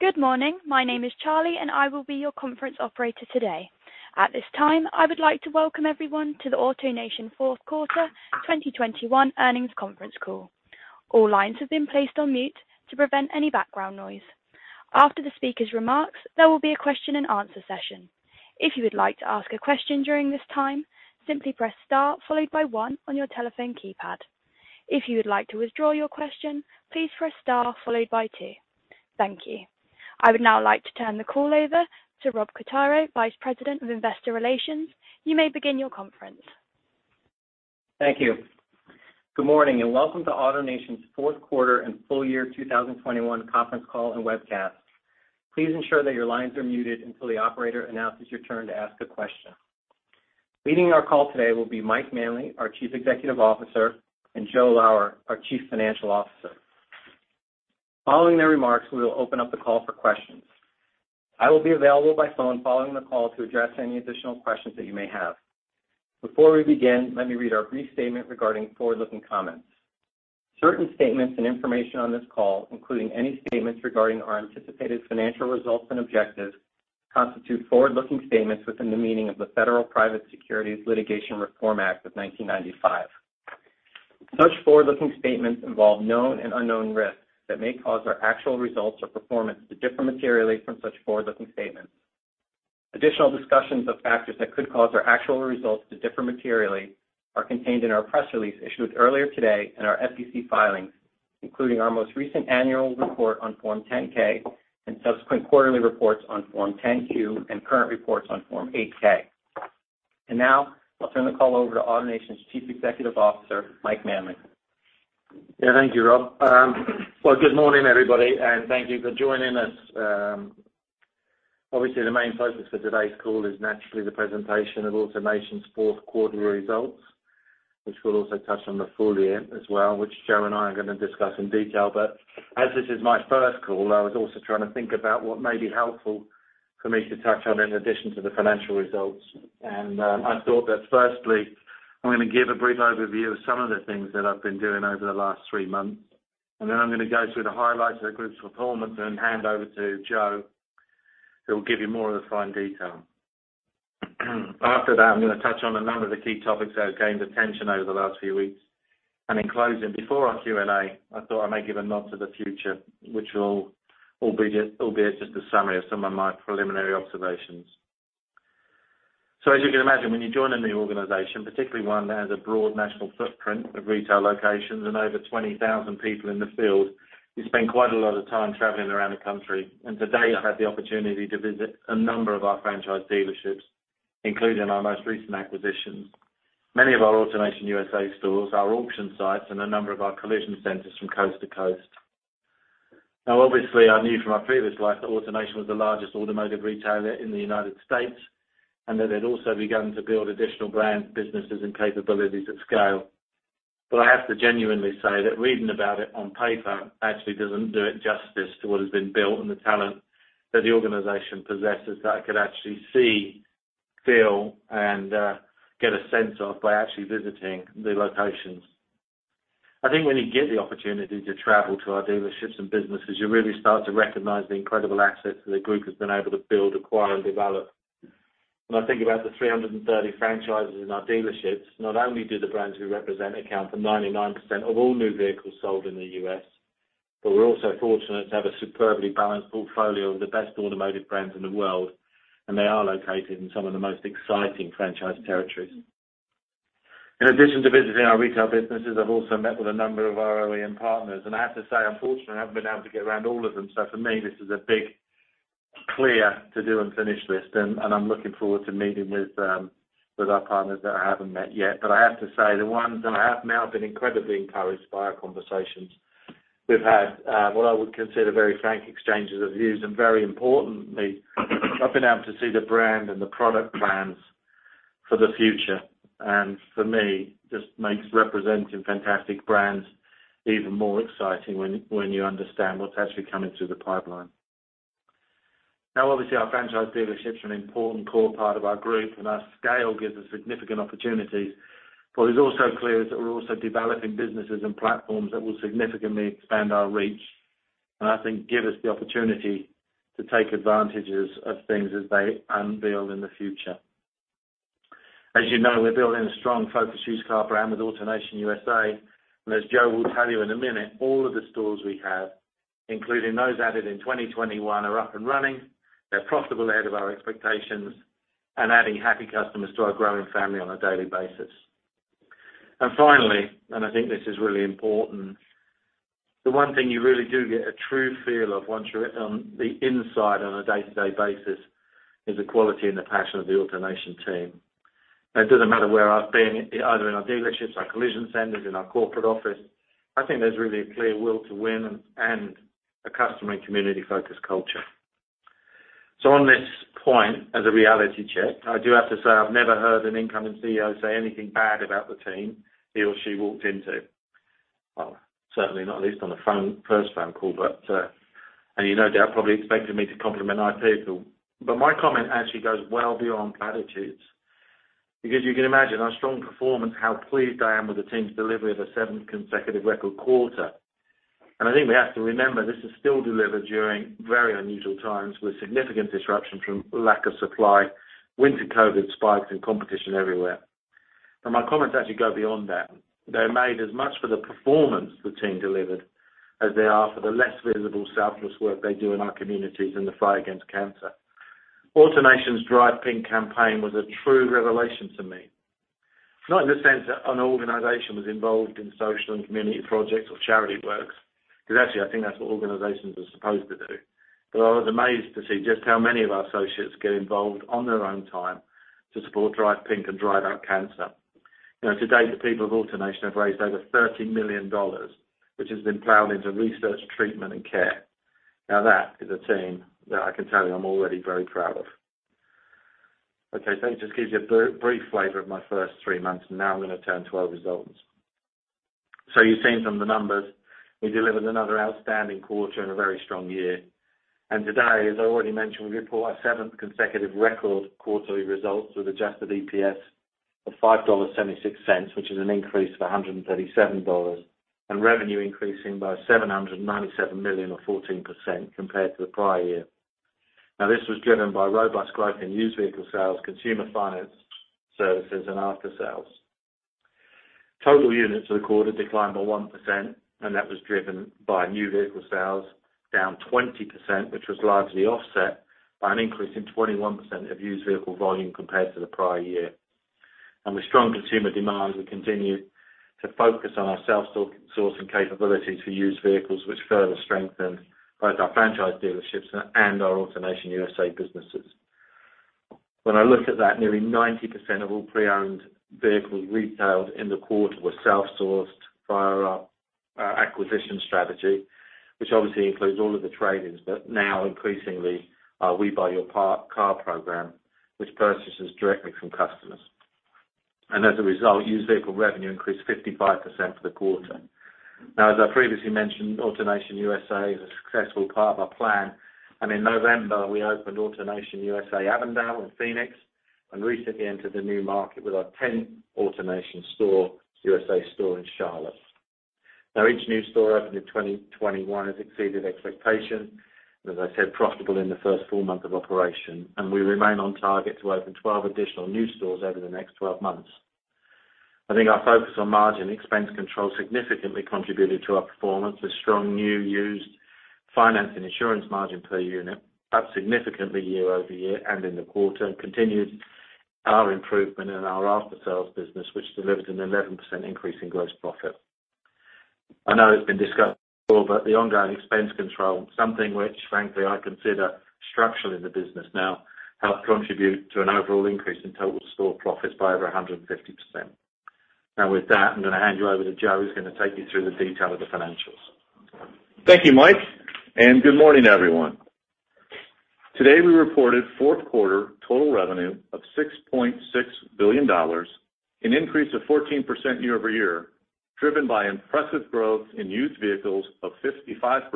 Good morning. My name is Charlie, and I will be your conference operator today. At this time, I would like to welcome everyone to the AutoNation fourth quarter 2021 Earnings Conference Call. All lines have been placed on mute to prevent any background noise. After the speaker's remarks, there will be a question-and-answer session. If you would like to ask a question during this time, simply press star followed by one on your telephone keypad. If you would like to withdraw your question, please press star followed by two. Thank you. I would now like to turn the call over to Rob Quartaro, Vice President of Investor Relations. You may begin your conference. Thank you. Good morning, and welcome to AutoNation's fourth quarter and full year 2021 conference call and webcast. Please ensure that your lines are muted until the operator announces your turn to ask a question. Leading our call today will be Mike Manley, our Chief Executive Officer, and Joe Lower, our Chief Financial Officer. Following their remarks, we will open up the call for questions. I will be available by phone following the call to address any additional questions that you may have. Before we begin, let me read our brief statement regarding forward-looking comments. Certain statements and information on this call, including any statements regarding our anticipated financial results and objectives, constitute forward-looking statements within the meaning of the Private Securities Litigation Reform Act of 1995. Such forward-looking statements involve known and unknown risks that may cause our actual results or performance to differ materially from such forward-looking statements. Additional discussions of factors that could cause our actual results to differ materially are contained in our press release issued earlier today and our SEC filings, including our most recent annual report on Form 10-K and subsequent quarterly reports on Form 10-Q and current reports on Form 8-K. Now I'll turn the call over to AutoNation's Chief Executive Officer, Mike Manley. Yeah. Thank you, Rob. Well good morning, everybody, and thank you for joining us. Obviously, the main focus for today's call is naturally the presentation of AutoNation's fourth quarter results, which we'll also touch on the full year as well, which Joe and I are gonna discuss in detail. As this is my first call, I was also trying to think about what may be helpful for me to touch on in addition to the financial results. I thought that firstly, I'm gonna give a brief overview of some of the things that I've been doing over the last three months, and then I'm gonna go through the highlights of the group's performance and hand over to Joe, who will give you more of the fine detail. After that, I'm gonna touch on a number of the key topics that have gained attention over the last few weeks. In closing, before our Q&A, I thought I might give a nod to the future, which will all be, albeit just, a summary of some of my preliminary observations. As you can imagine, when you join a new organization, particularly one that has a broad national footprint of retail locations and over 20,000 people in the field, you spend quite a lot of time traveling around the country. Today I had the opportunity to visit a number of our franchise dealerships, including our most recent acquisitions, many of our AutoNation USA stores, our auction sites, and a number of our collision centers from coast to coast. Now obviously, I knew from my previous life that AutoNation was the largest automotive retailer in the United States, and that they'd also begun to build additional brands, businesses, and capabilities at scale. I have to genuinely say that reading about it on paper actually doesn't do it justice to what has been built and the talent that the organization possesses, that I could actually see, feel, and get a sense of by actually visiting the locations. I think when you get the opportunity to travel to our dealerships and businesses, you really start to recognize the incredible assets that the group has been able to build, acquire, and develop. When I think about the 330 franchises in our dealerships, not only do the brands we represent account for 99% of all new vehicles sold in the U.S., but we're also fortunate to have a superbly balanced portfolio of the best automotive brands in the world, and they are located in some of the most exciting franchise territories. In addition to visiting our retail businesses, I've also met with a number of our OEM partners. I have to say, unfortunately, I haven't been able to get around all of them. For me, this is a big clear to-do and finish list, and I'm looking forward to meeting with our partners that I haven't met yet. I have to say, the ones that I have met, I've been incredibly encouraged by our conversations. We've had what I would consider very frank exchanges of views, and very importantly, I've been able to see the brand and the product plans for the future. For me, just makes representing fantastic brands even more exciting when you understand what's actually coming through the pipeline. Now obviously, our franchise dealerships are an important core part of our group, and our scale gives us significant opportunities. It's also clear that we're also developing businesses and platforms that will significantly expand our reach and I think give us the opportunity to take advantages of things as they unveil in the future. As you know, we're building a strong focused used car brand with AutoNation USA. As Joe will tell you in a minute, all of the stores we have, including those added in 2021, are up and running. They're profitable ahead of our expectations and adding happy customers to our growing family on a daily basis. Finally, and I think this is really important, the one thing you really do get a true feel of once you're on the inside on a day-to-day basis, is the quality and the passion of the AutoNation team. It doesn't matter where I've been, either in our dealerships, our collision centers, in our corporate office, I think there's really a clear will to win and a customer and community-focused culture. On this point, as a reality check, I do have to say I've never heard an incoming CEO say anything bad about the team he or she walked into. Well, certainly not least on the phone, first phone call, but, and you no doubt probably expected me to compliment our people. My comment actually goes well beyond attitudes. Because you can imagine our strong performance, how pleased I am with the team's delivery of a seventh consecutive record quarter. I think we have to remember this is still delivered during very unusual times with significant disruption from lack of supply, winter COVID spikes and competition everywhere. My comments actually go beyond that. They're made as much for the performance the team delivered as they are for the less visible selfless work they do in our communities in the fight against cancer. AutoNation's Drive Pink campaign was a true revelation to me. Not in the sense that an organization was involved in social and community projects or charity works, because actually I think that's what organizations are supposed to do. I was amazed to see just how many of our associates get involved on their own time to support Drive Pink and drive out cancer. You know, today, the people of AutoNation have raised over $30 million, which has been plowed into research, treatment, and care. Now, that is a team that I can tell you I'm already very proud of. Okay. It just gives you a brief flavor of my first three months, and now I'm going to turn to our results. You've seen some of the numbers. We delivered another outstanding quarter and a very strong year. Today, as I already mentioned, we report our seventh consecutive record quarterly results with adjusted EPS of $5.76, which is an increase of $1.37, and revenue increasing by $797 million or 14% compared to the prior year. Now, this was driven by robust growth in used vehicle sales, consumer finance services, and after-sales. Total units for the quarter declined by 1%, and that was driven by new vehicle sales down 20%, which was largely offset by an increase in 21% of used vehicle volume compared to the prior year. With strong consumer demands, we continue to focus on our self-source and capability to use vehicles which further strengthened both our franchise dealerships and our AutoNation USA businesses. When I look at that, nearly 90% of all pre-owned vehicles retailed in the quarter were self-sourced via our acquisition strategy, which obviously includes all of the trade-ins, but now increasingly our We Buy Your Car program, which purchases directly from customers. As a result, used vehicle revenue increased 55% for the quarter. Now, as I previously mentioned, AutoNation USA is a successful part of our plan. In November, we opened AutoNation USA Avondale in Phoenix and recently entered a new market with our tenth AutoNation USA store in Charlotte. Now each new store opened in 2021 has exceeded expectations, and as I said, profitable in the first full month of operation. We remain on target to open 12 additional new stores over the next 12 months. I think our focus on margin expense control significantly contributed to our performance with strong new, used finance and insurance margin per unit, up significantly year-over-year and in the quarter, and continued our improvement in our after-sales business, which delivered an 11% increase in gross profit. I know it's been discussed before, but the ongoing expense control, something which frankly I consider structural in the business now, helped contribute to an overall increase in total store profits by over 150%. Now with that, I'm going to hand you over to Joe, who's going to take you through the detail of the financials. Thank you, Mike, and good morning, everyone. Today, we reported fourth quarter total revenue of $6.6 billion, an increase of 14% year-over-year, driven by impressive growth in used vehicles of 55%,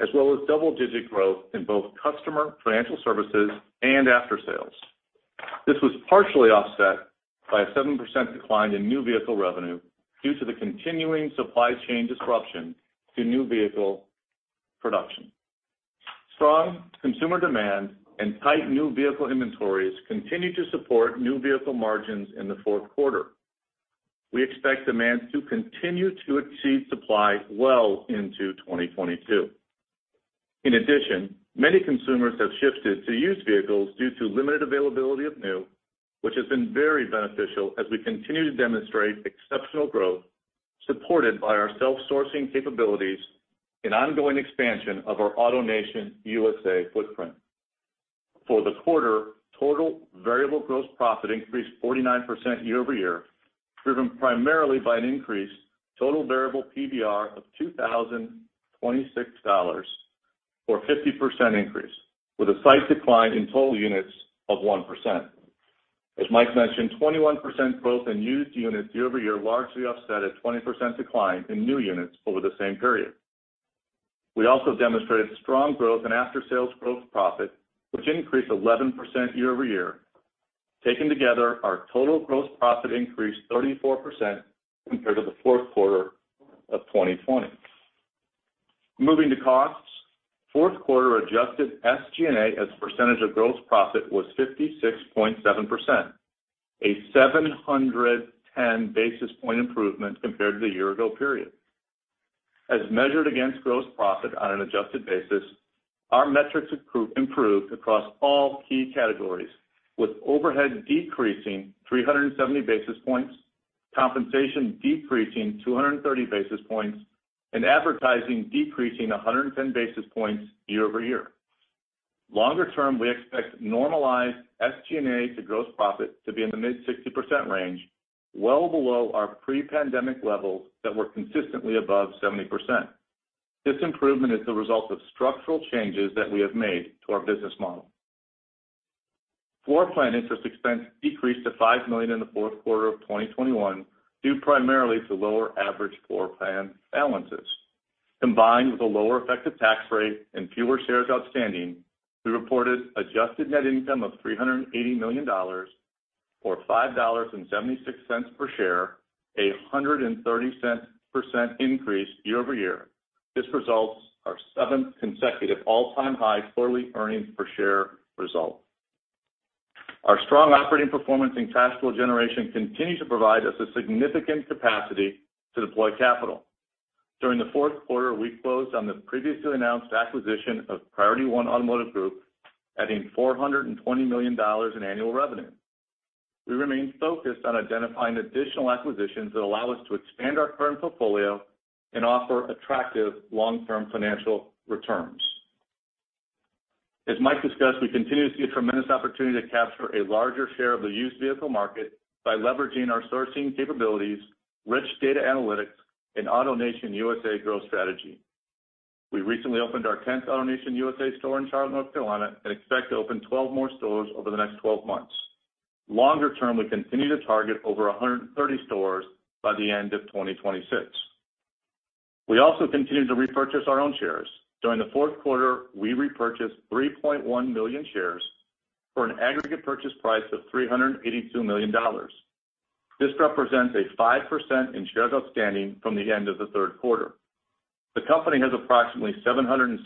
as well as double-digit growth in both customer financial services and after sales. This was partially offset by a 7% decline in new vehicle revenue due to the continuing supply chain disruption to new vehicle production. Strong consumer demand and tight new vehicle inventories continued to support new vehicle margins in the fourth quarter. We expect demand to continue to exceed supply well into 2022. In addition, many consumers have shifted to used vehicles due to limited availability of new, which has been very beneficial as we continue to demonstrate exceptional growth supported by our self-sourcing capabilities and ongoing expansion of our AutoNation USA footprint. For the quarter, total variable gross profit increased 49% year-over-year, driven primarily by an increase in total variable PVR of $2,026 or 50% increase, with a slight decline in total units of 1%. As Mike mentioned, 21% growth in used units year-over-year, largely offset a 20% decline in new units over the same period. We also demonstrated strong growth in after-sales gross profit, which increased 11% year-over-year. Taken together, our total gross profit increased 34% compared to the fourth quarter of 2020. Moving to costs, fourth quarter adjusted SG&A as a percentage of gross profit was 56.7%, a 710 basis point improvement compared to the year ago period. As measured against gross profit on an adjusted basis, our metrics improved across all key categories, with overhead decreasing 370 basis points, compensation decreasing 230 basis points, and advertising decreasing 110 basis points year-over-year. Longer term, we expect normalized SG&A to gross profit to be in the mid-60% range, well below our pre-pandemic levels that were consistently above 70%. This improvement is the result of structural changes that we have made to our business model. Floorplan interest expense decreased to $5 million in the fourth quarter of 2021, due primarily to lower average floor plan balances. Combined with a lower effective tax rate and fewer shares outstanding, we reported adjusted net income of $380 million or $5.76 per share, a 130% increase year-over-year. This results in our seventh consecutive all-time high quarterly earnings per share result. Our strong operating performance and cash flow generation continue to provide us a significant capacity to deploy capital. During the fourth quarter, we closed on the previously announced acquisition of Priority 1 Automotive Group, adding $420 million in annual revenue. We remain focused on identifying additional acquisitions that allow us to expand our current portfolio and offer attractive long-term financial returns. As Mike discussed, we continue to see a tremendous opportunity to capture a larger share of the used vehicle market by leveraging our sourcing capabilities, rich data analytics, and AutoNation USA growth strategy. We recently opened our 10th AutoNation USA store in Charlotte, North Carolina, and expect to open 12 more stores over the next 12 months. Longer term, we continue to target over 130 stores by the end of 2026. We also continue to repurchase our own shares. During the fourth quarter, we repurchased 3.1 million shares for an aggregate purchase price of $382 million. This represents a 5% in shares outstanding from the end of the third quarter. The company has approximately $776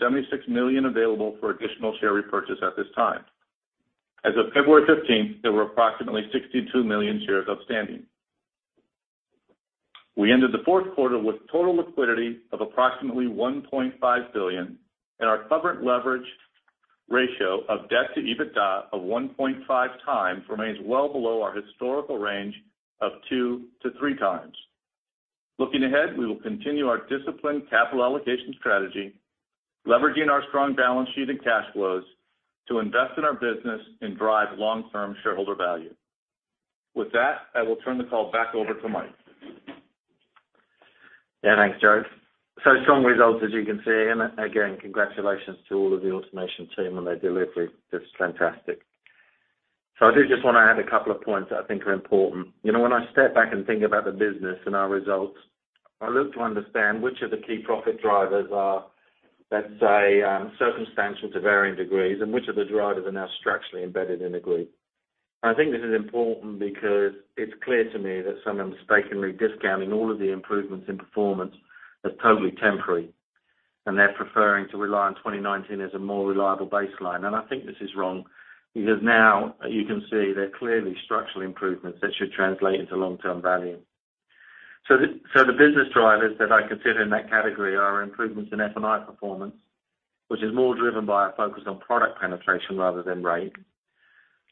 million available for additional share repurchase at this time. As of February 15, there were approximately 62 million shares outstanding. We ended the fourth quarter with total liquidity of approximately $1.5 billion, and our covered leverage ratio of debt to EBITDA of 1.5x remains well below our historical range of 2x-3x. Looking ahead, we will continue our disciplined capital allocation strategy, leveraging our strong balance sheet and cash flows to invest in our business and drive long-term shareholder value. With that, I will turn the call back over to Mike. Yeah, thanks, Joe. Strong results as you can see, and again, congratulations to all of the AutoNation team on their delivery. Just fantastic. I do just want to add a couple of points that I think are important. You know, when I step back and think about the business and our results, I look to understand which of the key profit drivers are, let's say, circumstantial to varying degrees, and which of the drivers are now structurally embedded in the group. I think this is important because it's clear to me that some are mistakenly discounting all of the improvements in performance as totally temporary, and they're preferring to rely on 2019 as a more reliable baseline. I think this is wrong because now you can see they're clearly structural improvements that should translate into long-term value. The business drivers that I consider in that category are improvements in F&I performance, which is more driven by a focus on product penetration rather than rate,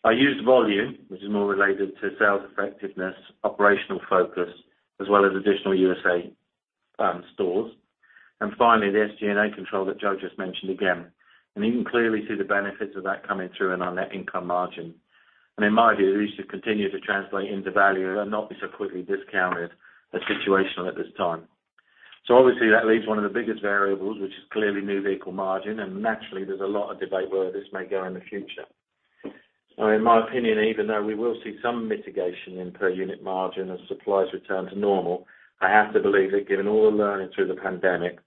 our used volume, which is more related to sales effectiveness, operational focus, as well as additional USA stores, and finally, the SG&A control that Joe just mentioned again. You can clearly see the benefits of that coming through in our net income margin. In my view, these should continue to translate into value and not be so quickly discounted as situational at this time. Obviously, that leaves one of the biggest variables, which is clearly new vehicle margin. Naturally, there's a lot of debate where this may go in the future. In my opinion, even though we will see some mitigation in per unit margin as supplies return to normal, I have to believe that given all the learning through the pandemic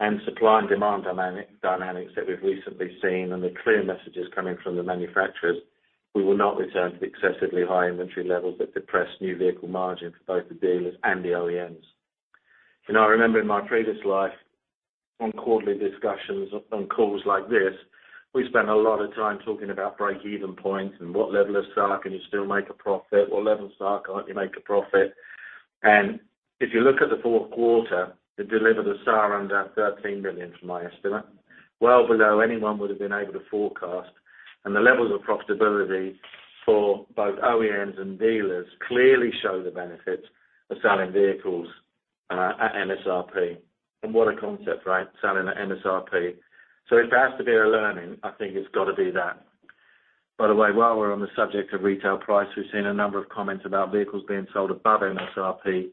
and supply and demand dynamics that we've recently seen and the clear messages coming from the manufacturers, we will not return to the excessively high inventory levels that depress new vehicle margin for both the dealers and the OEMs. You know, I remember in my previous life on quarterly discussions on calls like this, we spent a lot of time talking about break-even points and what level of SAR can you still make a profit, what level of SAR can't you make a profit? If you look at the fourth quarter, it delivered a SAR under $13 billion from my estimate, well below anyone would have been able to forecast. The levels of profitability for both OEMs and dealers clearly show the benefits of selling vehicles at MSRP. What a concept, right? Selling at MSRP. If there has to be a learning, I think it's got to be that. By the way, while we're on the subject of retail price, we've seen a number of comments about vehicles being sold above MSRP,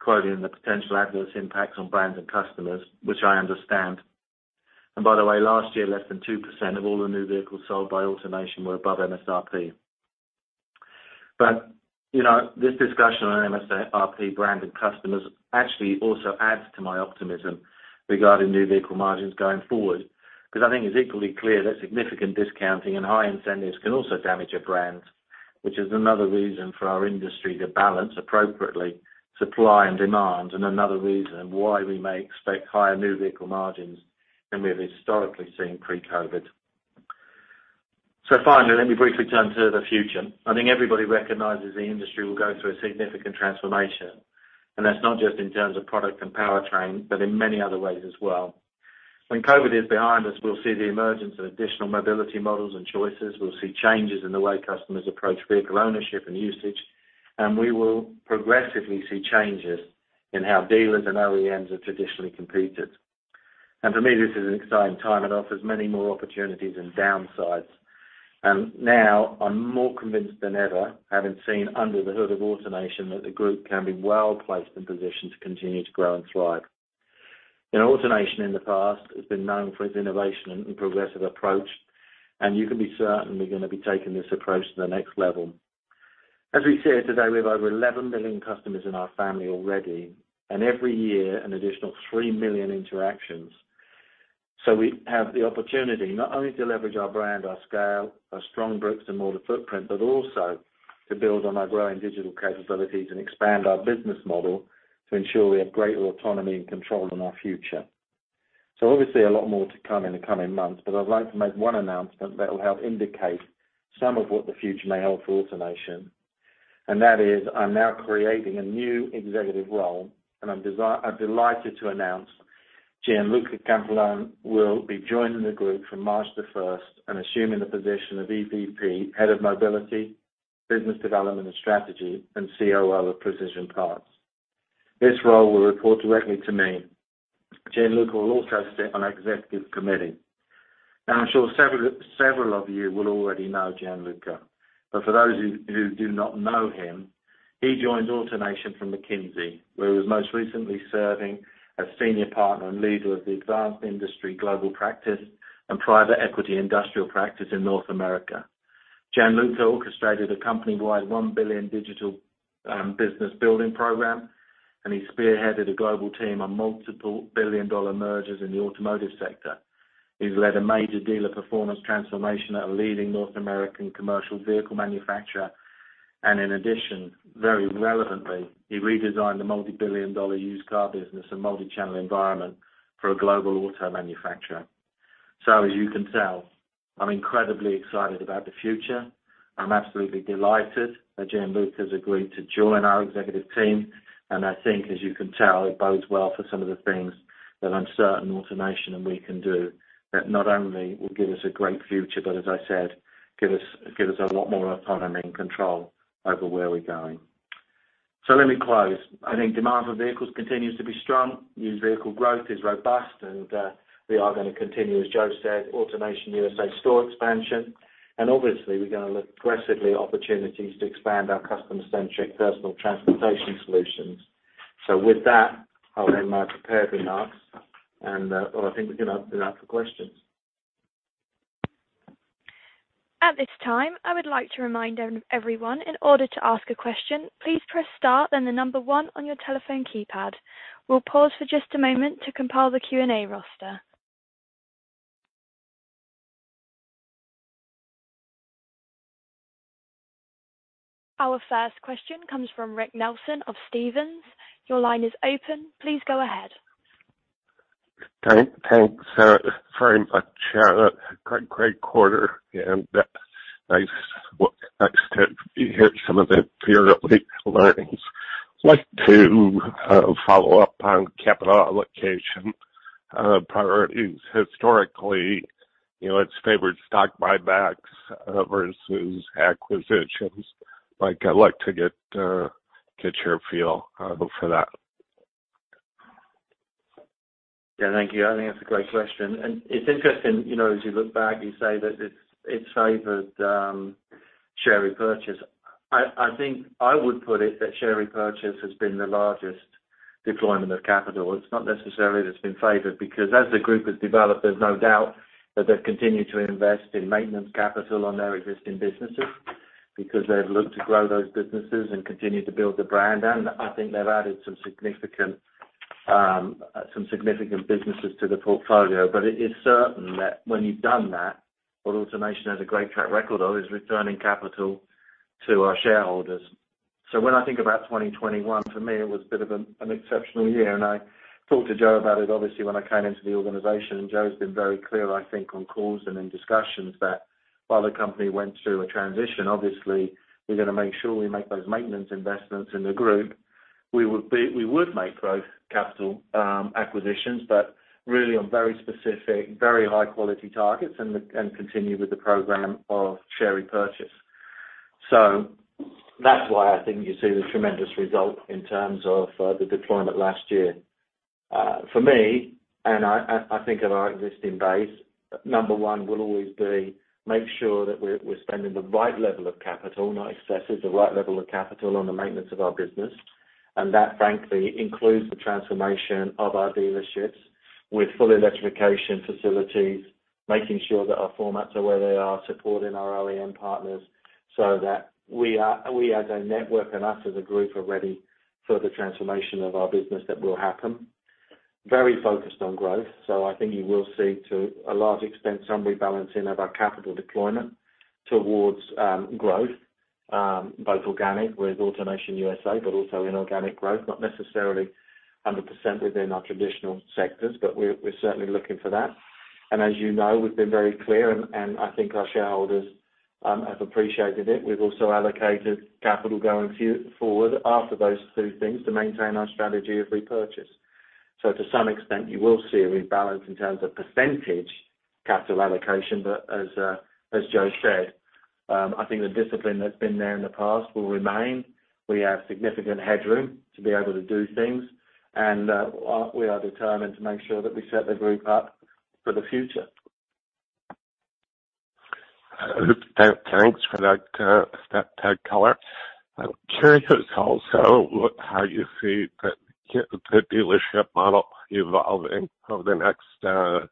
quoting the potential adverse impacts on brands and customers, which I understand. By the way, last year, less than 2% of all the new vehicles sold by AutoNation were above MSRP. You know, this discussion on MSRP brand and customers actually also adds to my optimism regarding new vehicle margins going forward, because I think it's equally clear that significant discounting and high incentives can also damage a brand, which is another reason for our industry to balance appropriately supply and demand, and another reason why we may expect higher new vehicle margins than we have historically seen pre-COVID. Finally, let me briefly turn to the future. I think everybody recognizes the industry will go through a significant transformation, and that's not just in terms of product and powertrain, but in many other ways as well. When COVID is behind us, we'll see the emergence of additional mobility models and choices. We'll see changes in the way customers approach vehicle ownership and usage, and we will progressively see changes in how dealers and OEMs have traditionally competed. For me, this is an exciting time. It offers many more opportunities than downsides. Now I'm more convinced than ever, having seen under the hood of AutoNation, that the group can be well placed and positioned to continue to grow and thrive. You know, AutoNation in the past has been known for its innovation and progressive approach, and you can be certain we're going to be taking this approach to the next level. As we said today, we have over 11 million customers in our family already, and every year an additional threee million interactions. We have the opportunity not only to leverage our brand, our scale, our strong bricks and mortar footprint, but also to build on our growing digital capabilities and expand our business model to ensure we have greater autonomy and control on our future. Obviously a lot more to come in the coming months, but I'd like to make one announcement that will help indicate some of what the future may hold for AutoNation. That is, I'm now creating a new executive role, and I'm delighted to announce Gianluca Camplone will be joining the group from March the 1st and assuming the position of EVP, Head of Mobility, Business Development and Strategy, and COO of Precision Parts. This role will report directly to me. Gianluca will also sit on our executive committee. Now, I'm sure several of you will already know Gianluca, but for those who do not know him, he joins AutoNation from McKinsey, where he was most recently serving as Senior Partner and leader of the Advanced Industry Global Practice and Private Equity Industrial Practice in North America. Gianluca orchestrated a company-wide $1 billion digital business building program, and he spearheaded a global team on multiple billion-dollar mergers in the automotive sector. He's led a major dealer performance transformation at a leading North American commercial vehicle manufacturer. In addition, very relevantly, he redesigned the multi-billion dollar used car business and multi-channel environment for a global auto manufacturer. As you can tell, I'm incredibly excited about the future. I'm absolutely delighted that Gianluca has agreed to join our executive team. I think, as you can tell, it bodes well for some of the things that I'm certain AutoNation and we can do that not only will give us a great future, but as I said, give us a lot more autonomy and control over where we're going. Let me close. I think demand for vehicles continues to be strong. New vehicle growth is robust and we are gonna continue, as Joe said, AutoNation USA store expansion. Obviously, we're gonna look aggressively at opportunities to expand our customer-centric personal transportation solutions. With that, I'll end my prepared remarks. I think we can open it up for questions. At this time, I would like to remind everyone, in order to ask a question, please press star then the number one on your telephone keypad. We'll pause for just a moment to compile the Q&A roster. Our first question comes from Rick Nelson of Stephens. Your line is open. Please go ahead. Thanks, very much. Great quarter and nice work. Nice to hear some of the theoretical learnings. I like to follow up on capital allocation priorities. Historically, you know, it's favored stock buybacks versus acquisitions. Mike, I'd like to get your feel for that. Yeah, thank you. I think that's a great question. It's interesting, you know, as you look back, you say that it's favored share repurchase. I think I would put it that share repurchase has been the largest deployment of capital. It's not necessarily that it's been favored because as the group has developed, there's no doubt that they've continued to invest in maintenance capital on their existing businesses because they've looked to grow those businesses and continue to build the brand. I think they've added some significant businesses to the portfolio. It is certain that when you've done that, what AutoNation has a great track record of is returning capital to our shareholders. When I think about 2021, for me it was a bit of an exceptional year. I talked to Joe about it obviously, when I came into the organization. Joe's been very clear, I think, on calls and in discussions that while the company went through a transition, obviously we're going to make sure we make those maintenance investments in the group. We would make growth capital, acquisitions, but really on very specific, very high-quality targets and continue with the program of share repurchase. That's why I think you see the tremendous result in terms of, the deployment last year. For me, I think of our existing base, number one will always be make sure that we're spending the right level of capital, not excesses, the right level of capital on the maintenance of our business. That frankly includes the transformation of our dealerships with full electrification facilities, making sure that our formats are where they are supporting our OEM partners so that we are, we as a network and us as a group are ready for the transformation of our business that will happen. Very focused on growth. I think you will see to a large extent some rebalancing of our capital deployment towards growth both organic with AutoNation USA, but also inorganic growth, not necessarily 100% within our traditional sectors, but we're certainly looking for that. As you know, we've been very clear and I think our shareholders have appreciated it. We've also allocated capital going forward after those two things to maintain our strategy of repurchase. To some extent you will see a rebalance in terms of percentage capital allocation. As Joe said, I think the discipline that's been there in the past will remain. We have significant headroom to be able to do things and we are determined to make sure that we set the group up for the future. Thanks for that color. I'm curious also how you see the dealership model evolving over the next,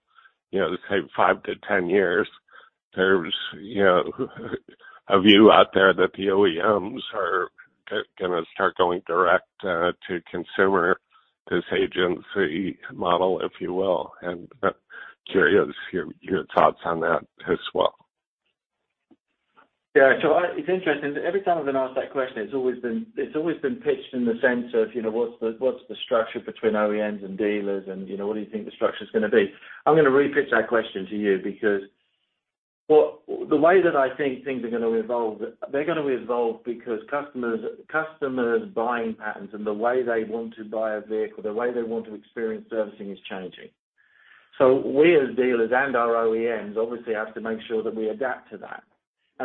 you know, say five-10 years. There's you know a view out there that the OEMs are gonna start going direct to consumer, this agency model, if you will. Curious your thoughts on that as well. Yeah. It's interesting. Every time I've been asked that question, it's always been pitched in the sense of, you know, what's the structure between OEMs and dealers and, you know, what do you think the structure's gonna be? I'm gonna repitch that question to you because for the way that I think things are gonna evolve, they're gonna evolve because customers' buying patterns and the way they want to buy a vehicle, the way they want to experience servicing is changing. We as dealers and our OEMs obviously have to make sure that we adapt to that.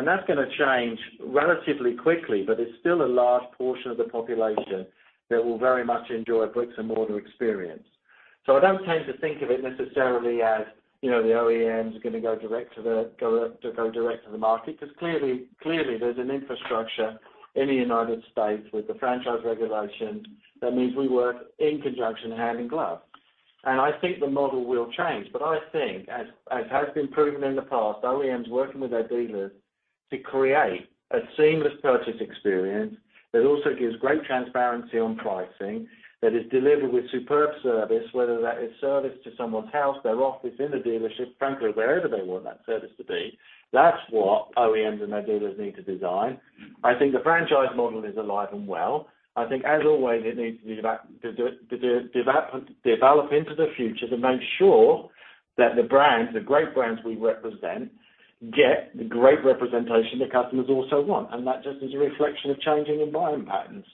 That's gonna change relatively quickly, but there's still a large portion of the population that will very much enjoy a bricks-and-mortar experience. I don't tend to think of it necessarily as, you know, the OEMs are gonna go direct to the market because clearly there's an infrastructure in the United States with the franchise regulation that means we work in conjunction hand in glove. I think the model will change. I think as has been proven in the past, OEMs working with their dealers to create a seamless purchase experience that also gives great transparency on pricing, that is delivered with superb service, whether that is service to someone's house, their office, in the dealership, frankly, wherever they want that service to be, that's what OEMs and their dealers need to design. I think the franchise model is alive and well. I think as always, it needs to be about develop into the future to make sure that the brands, the great brands we represent, get the great representation the customers also want. That just is a reflection of changing and buying patterns.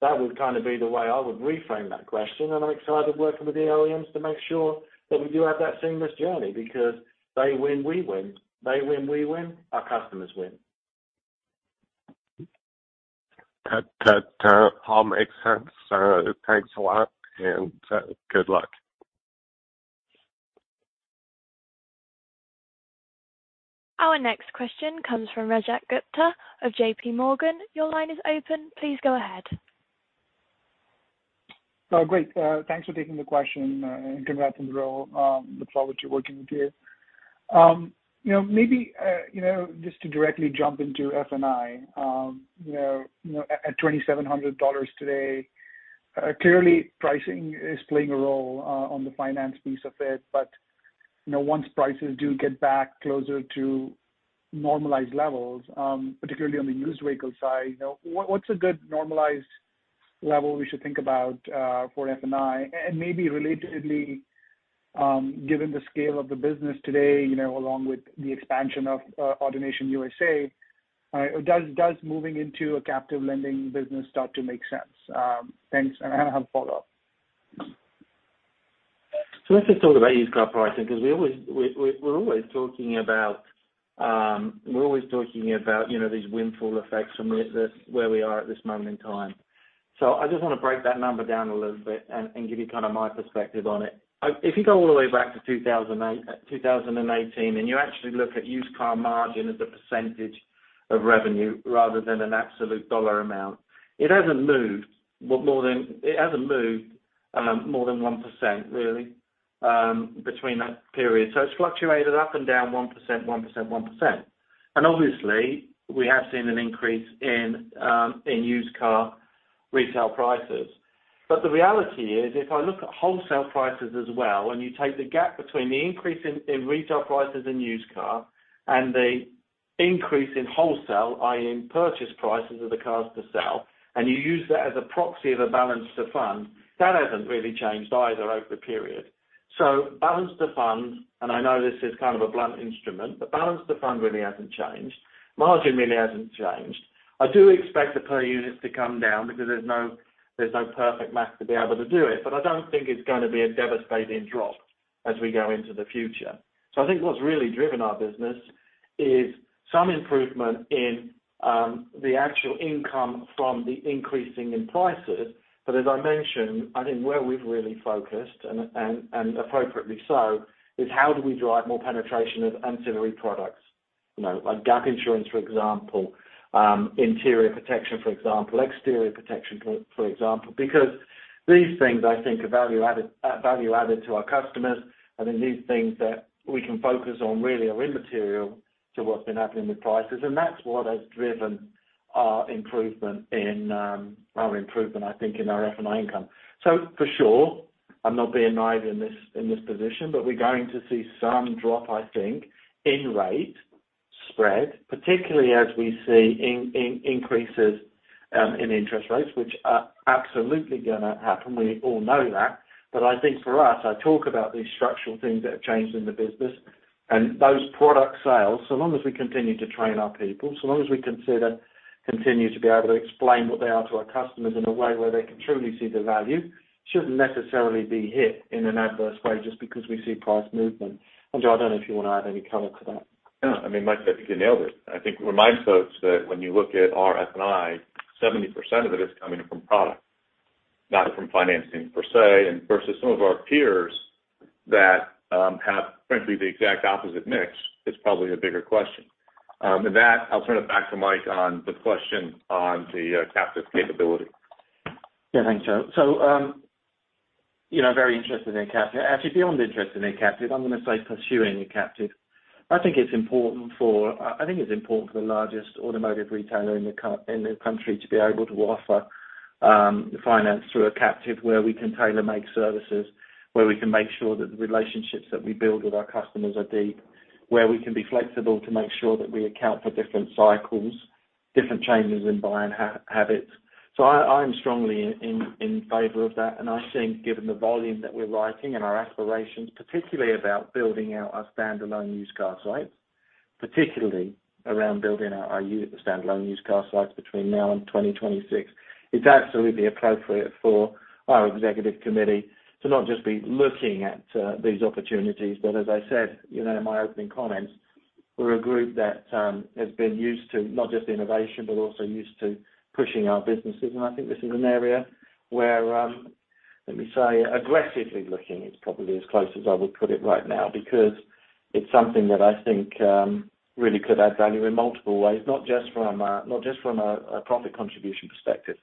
That would kind of be the way I would reframe that question, and I'm excited working with the OEMs to make sure that we do have that seamless journey because they win, we win. They win, we win, our customers win. That all makes sense. Thanks a lot, and good luck. Our next question comes from Rajat Gupta of J.P. Morgan. Your line is open. Please go ahead. Great. Thanks for taking the question, and congrats on the role. Look forward to working with you. You know, maybe just to directly jump into F&I. You know, at $2,700 today, clearly pricing is playing a role on the finance piece of it. You know, once prices do get back closer to normalized levels, particularly on the used vehicle side, you know, what's a good, normalized level we should think about for F&I? Maybe relatedly, given the scale of the business today, you know, along with the expansion of AutoNation USA, does moving into a captive lending business start to make sense? Thanks. I have a follow-up. Let's just talk about used car pricing because we're always talking about, you know, these windfall effects from this, where we are at this moment in time. I just wanna break that number down a little bit and give you kinda my perspective on it. If you go all the way back to 2018, and you actually look at used car margin as a percentage of revenue rather than an absolute dollar amount, it hasn't moved more than 1% really, between that period. It's fluctuated up and down 1%. Obviously, we have seen an increase in used car retail prices. The reality is, if I look at wholesale prices as well, and you take the gap between the increase in retail prices in used car and the increase in wholesale, i.e. purchase prices of the cars to sell, and you use that as a proxy of a balance to fund, that hasn't really changed either over the period. Balance to fund, and I know this is kind of a blunt instrument, but balance to fund really hasn't changed. Margin really hasn't changed. I do expect the per units to come down because there's no perfect math to be able to do it. I don't think it's gonna be a devastating drop as we go into the future. I think what's really driven our business is some improvement in the actual income from the increasing in prices. As I mentioned, I think where we've really focused and appropriately so is how do we drive more penetration of ancillary products? You know, like gap insurance, for example, interior protection, for example, exterior protection, for example. Because these things, I think, are value-added to our customers. I think these things that we can focus on really are immaterial to what's been happening with prices, and that's what has driven our improvement, I think, in our F&I income. So for sure, I'm not being naive in this position, but we're going to see some drop, I think, in rate spread, particularly as we see increases in interest rates, which are absolutely gonna happen. We all know that. I think for us, I talk about these structural things that have changed in the business and those product sales. Long as we continue to train our people, long as we continue to be able to explain what they are to our customers in a way where they can truly see the value, shouldn't necessarily be hit in an adverse way just because we see price movement. Joe, I don't know if you wanna add any color to that. No. I mean, Mike, I think you nailed it. I think it reminds folks that when you look at our F&I, 70% of it is coming from product, not from financing per se. Versus some of our peers that have frankly the exact opposite mix is probably a bigger question. With that, I'll turn it back to Mike on the question on the captive capability. Yeah, thanks Joe. You know, very interested in captive. Actually, beyond interested in captive, I'm gonna say pursuing a captive. I think it's important for the largest automotive retailer in the country to be able to offer finance through a captive where we can tailor make services, where we can make sure that the relationships that we build with our customers are deep, where we can be flexible to make sure that we account for different cycles, different changes in buying habits. I am strongly in favor of that, and I think given the volume that we're writing and our aspirations, particularly about building out our standalone used car sites between now and 2026. It's absolutely appropriate for our executive committee to not just be looking at these opportunities, but as I said, you know, in my opening comments, we're a group that has been used to not just innovation, but also used to pushing our businesses. I think this is an area where let me say, aggressively looking is probably as close as I would put it right now because it's something that I think really could add value in multiple ways, not just from a profit contribution perspective.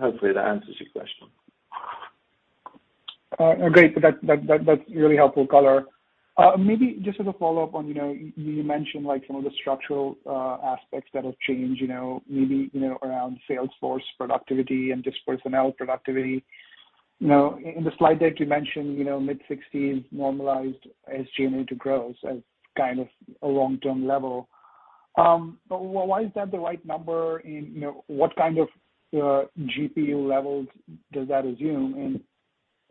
Hopefully that answers your question. Great. That's really helpful color. Maybe just as a follow-up on, you know, you mentioned like some of the structural aspects that have changed, you know, maybe, you know, around sales force productivity and just personnel productivity. You know, in the slide deck you mentioned, you know, mid-60s normalized SG&A to gross as kind of a long-term level. Why is that the right number and, you know, what kind of GPU levels does that assume?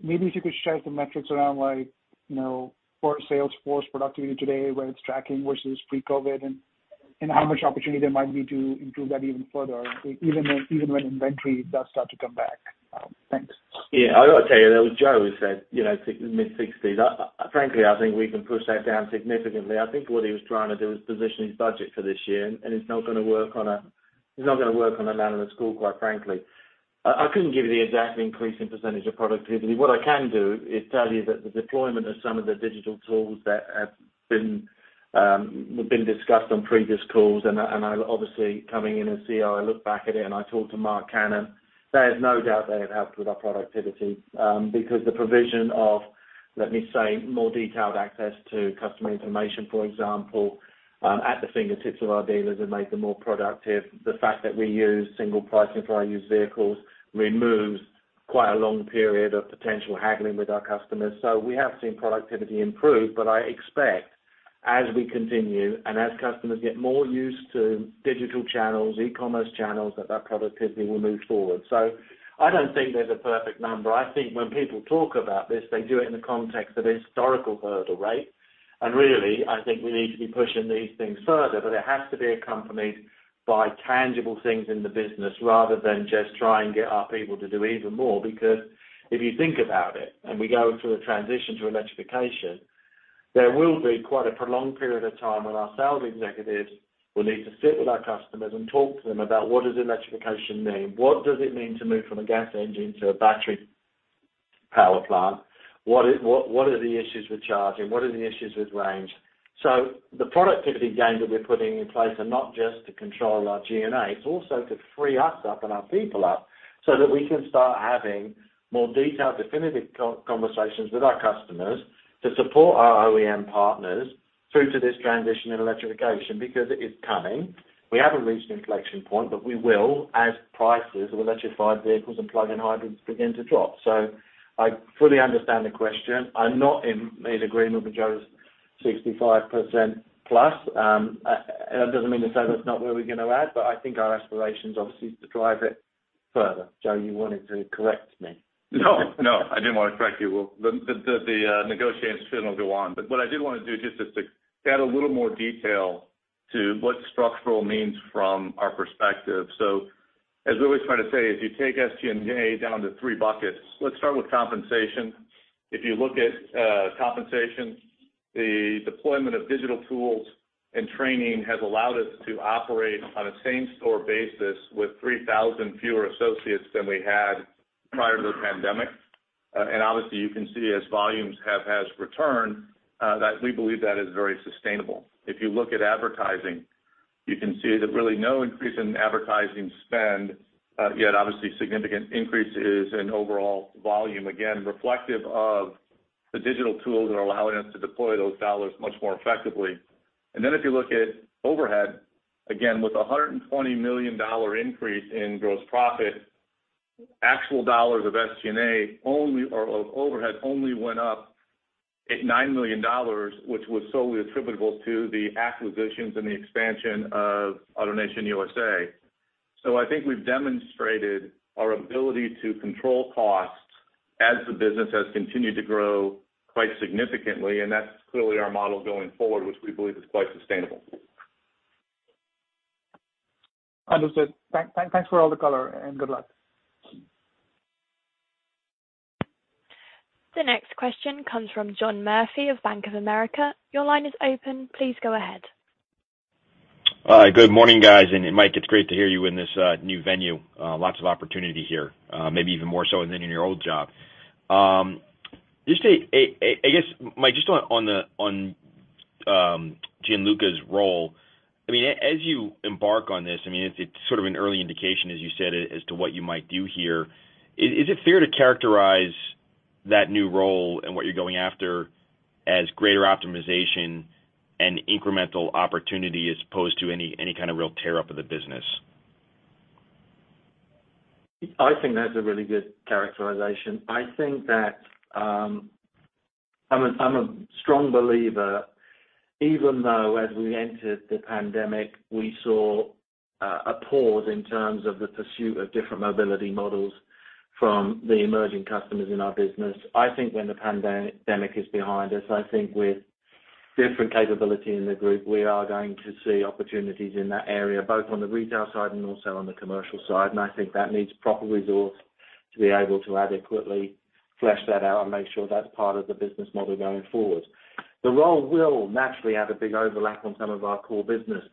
Maybe if you could share some metrics around like, you know, for sales force productivity today, where it's tracking versus pre-COVID and how much opportunity there might be to improve that even further, even when inventory does start to come back. Thanks. Yeah. I gotta tell you that was Joe who said, you know, mid-60s. Frankly, I think we can push that down significantly. I think what he was trying to do is position his budget for this year, and it's not gonna work on an assumption, quite frankly. I couldn't give you the exact increase in percentage of productivity. What I can do is tell you that the deployment of some of the digital tools that have been discussed on previous calls, and I obviously, coming in as CEO, I look back at it, and I talk to Marc Cannon. There's no doubt they have helped with our productivity, because the provision of, let me say, more detailed access to customer information, for example, at the fingertips of our dealers has made them more productive. The fact that we use single pricing for our used vehicles removes quite a long period of potential haggling with our customers. We have seen productivity improve, but I expect as we continue and as customers get more used to digital channels, e-commerce channels, that that productivity will move forward. I don't think there's a perfect number. I think when people talk about this, they do it in the context of historical hurdle rate. Really, I think we need to be pushing these things further, but it has to be accompanied by tangible things in the business rather than just try and get our people to do even more. Because if you think about it and we go through a transition to electrification, there will be quite a prolonged period of time when our sales executives will need to sit with our customers and talk to them about what does electrification mean? What does it mean to move from a gas engine to a battery power plant? What are the issues with charging? What are the issues with range? The productivity gains that we're putting in place are not just to control our G&A, it's also to free us up and our people up so that we can start having more detailed, definitive co-conversations with our customers to support our OEM partners through to this transition in electrification because it is coming. We haven't reached an inflection point, but we will as prices of electrified vehicles and plug-in hybrids begin to drop. I fully understand the question. I'm not in agreement with Joe's 65%+. And that doesn't mean to say that's not where we're gonna add, but I think our aspiration's obviously to drive it further. Joe, you wanted to correct me. No, no, I didn't want to correct you. Well, the negotiation will go on. What I did wanna do just is to add a little more detail to what structural means from our perspective. As we always try to say, if you take SG&A down to three buckets, let's start with compensation. If you look at compensation, the deployment of digital tools and training has allowed us to operate on a same store basis with 3,000 fewer associates than we had prior to the pandemic. And obviously you can see as volumes has returned that we believe that is very sustainable. If you look at advertising, you can see that really no increase in advertising spend, yet obviously significant increases in overall volume, again, reflective of the digital tools that are allowing us to deploy those dollars much more effectively. Then if you look at overhead, again with a $120 million increase in gross profit, actual dollars of SG&A only or of overhead only went up by $9 million, which was solely attributable to the acquisitions and the expansion of AutoNation USA. I think we've demonstrated our ability to control costs as the business has continued to grow quite significantly, and that's clearly our model going forward, which we believe is quite sustainable. Understood. Thanks for all the color and good luck. The next question comes from John Murphy of Bank of America. Your line is open. Please go ahead. Good morning, guys. Mike, it's great to hear you in this new venue. Lots of opportunity here, maybe even more so than in your old job. I guess, Mike, just on Gianluca's role. I mean, as you embark on this, I mean, it's sort of an early indication, as you said, as to what you might do here. Is it fair to characterize that new role and what you're going after as greater optimization and incremental opportunity as opposed to any kind of real tear-up of the business? I think that's a really good characterization. I think that, I'm a strong believer, even though as we entered the pandemic, we saw a pause in terms of the pursuit of different mobility models from the emerging customers in our business. I think when the pandemic is behind us, I think with different capability in the group, we are going to see opportunities in that area, both on the retail side and also on the commercial side. I think that needs proper resource to be able to adequately flesh that out and make sure that's part of the business model going forward. The role will naturally have a big overlap on some of our core business.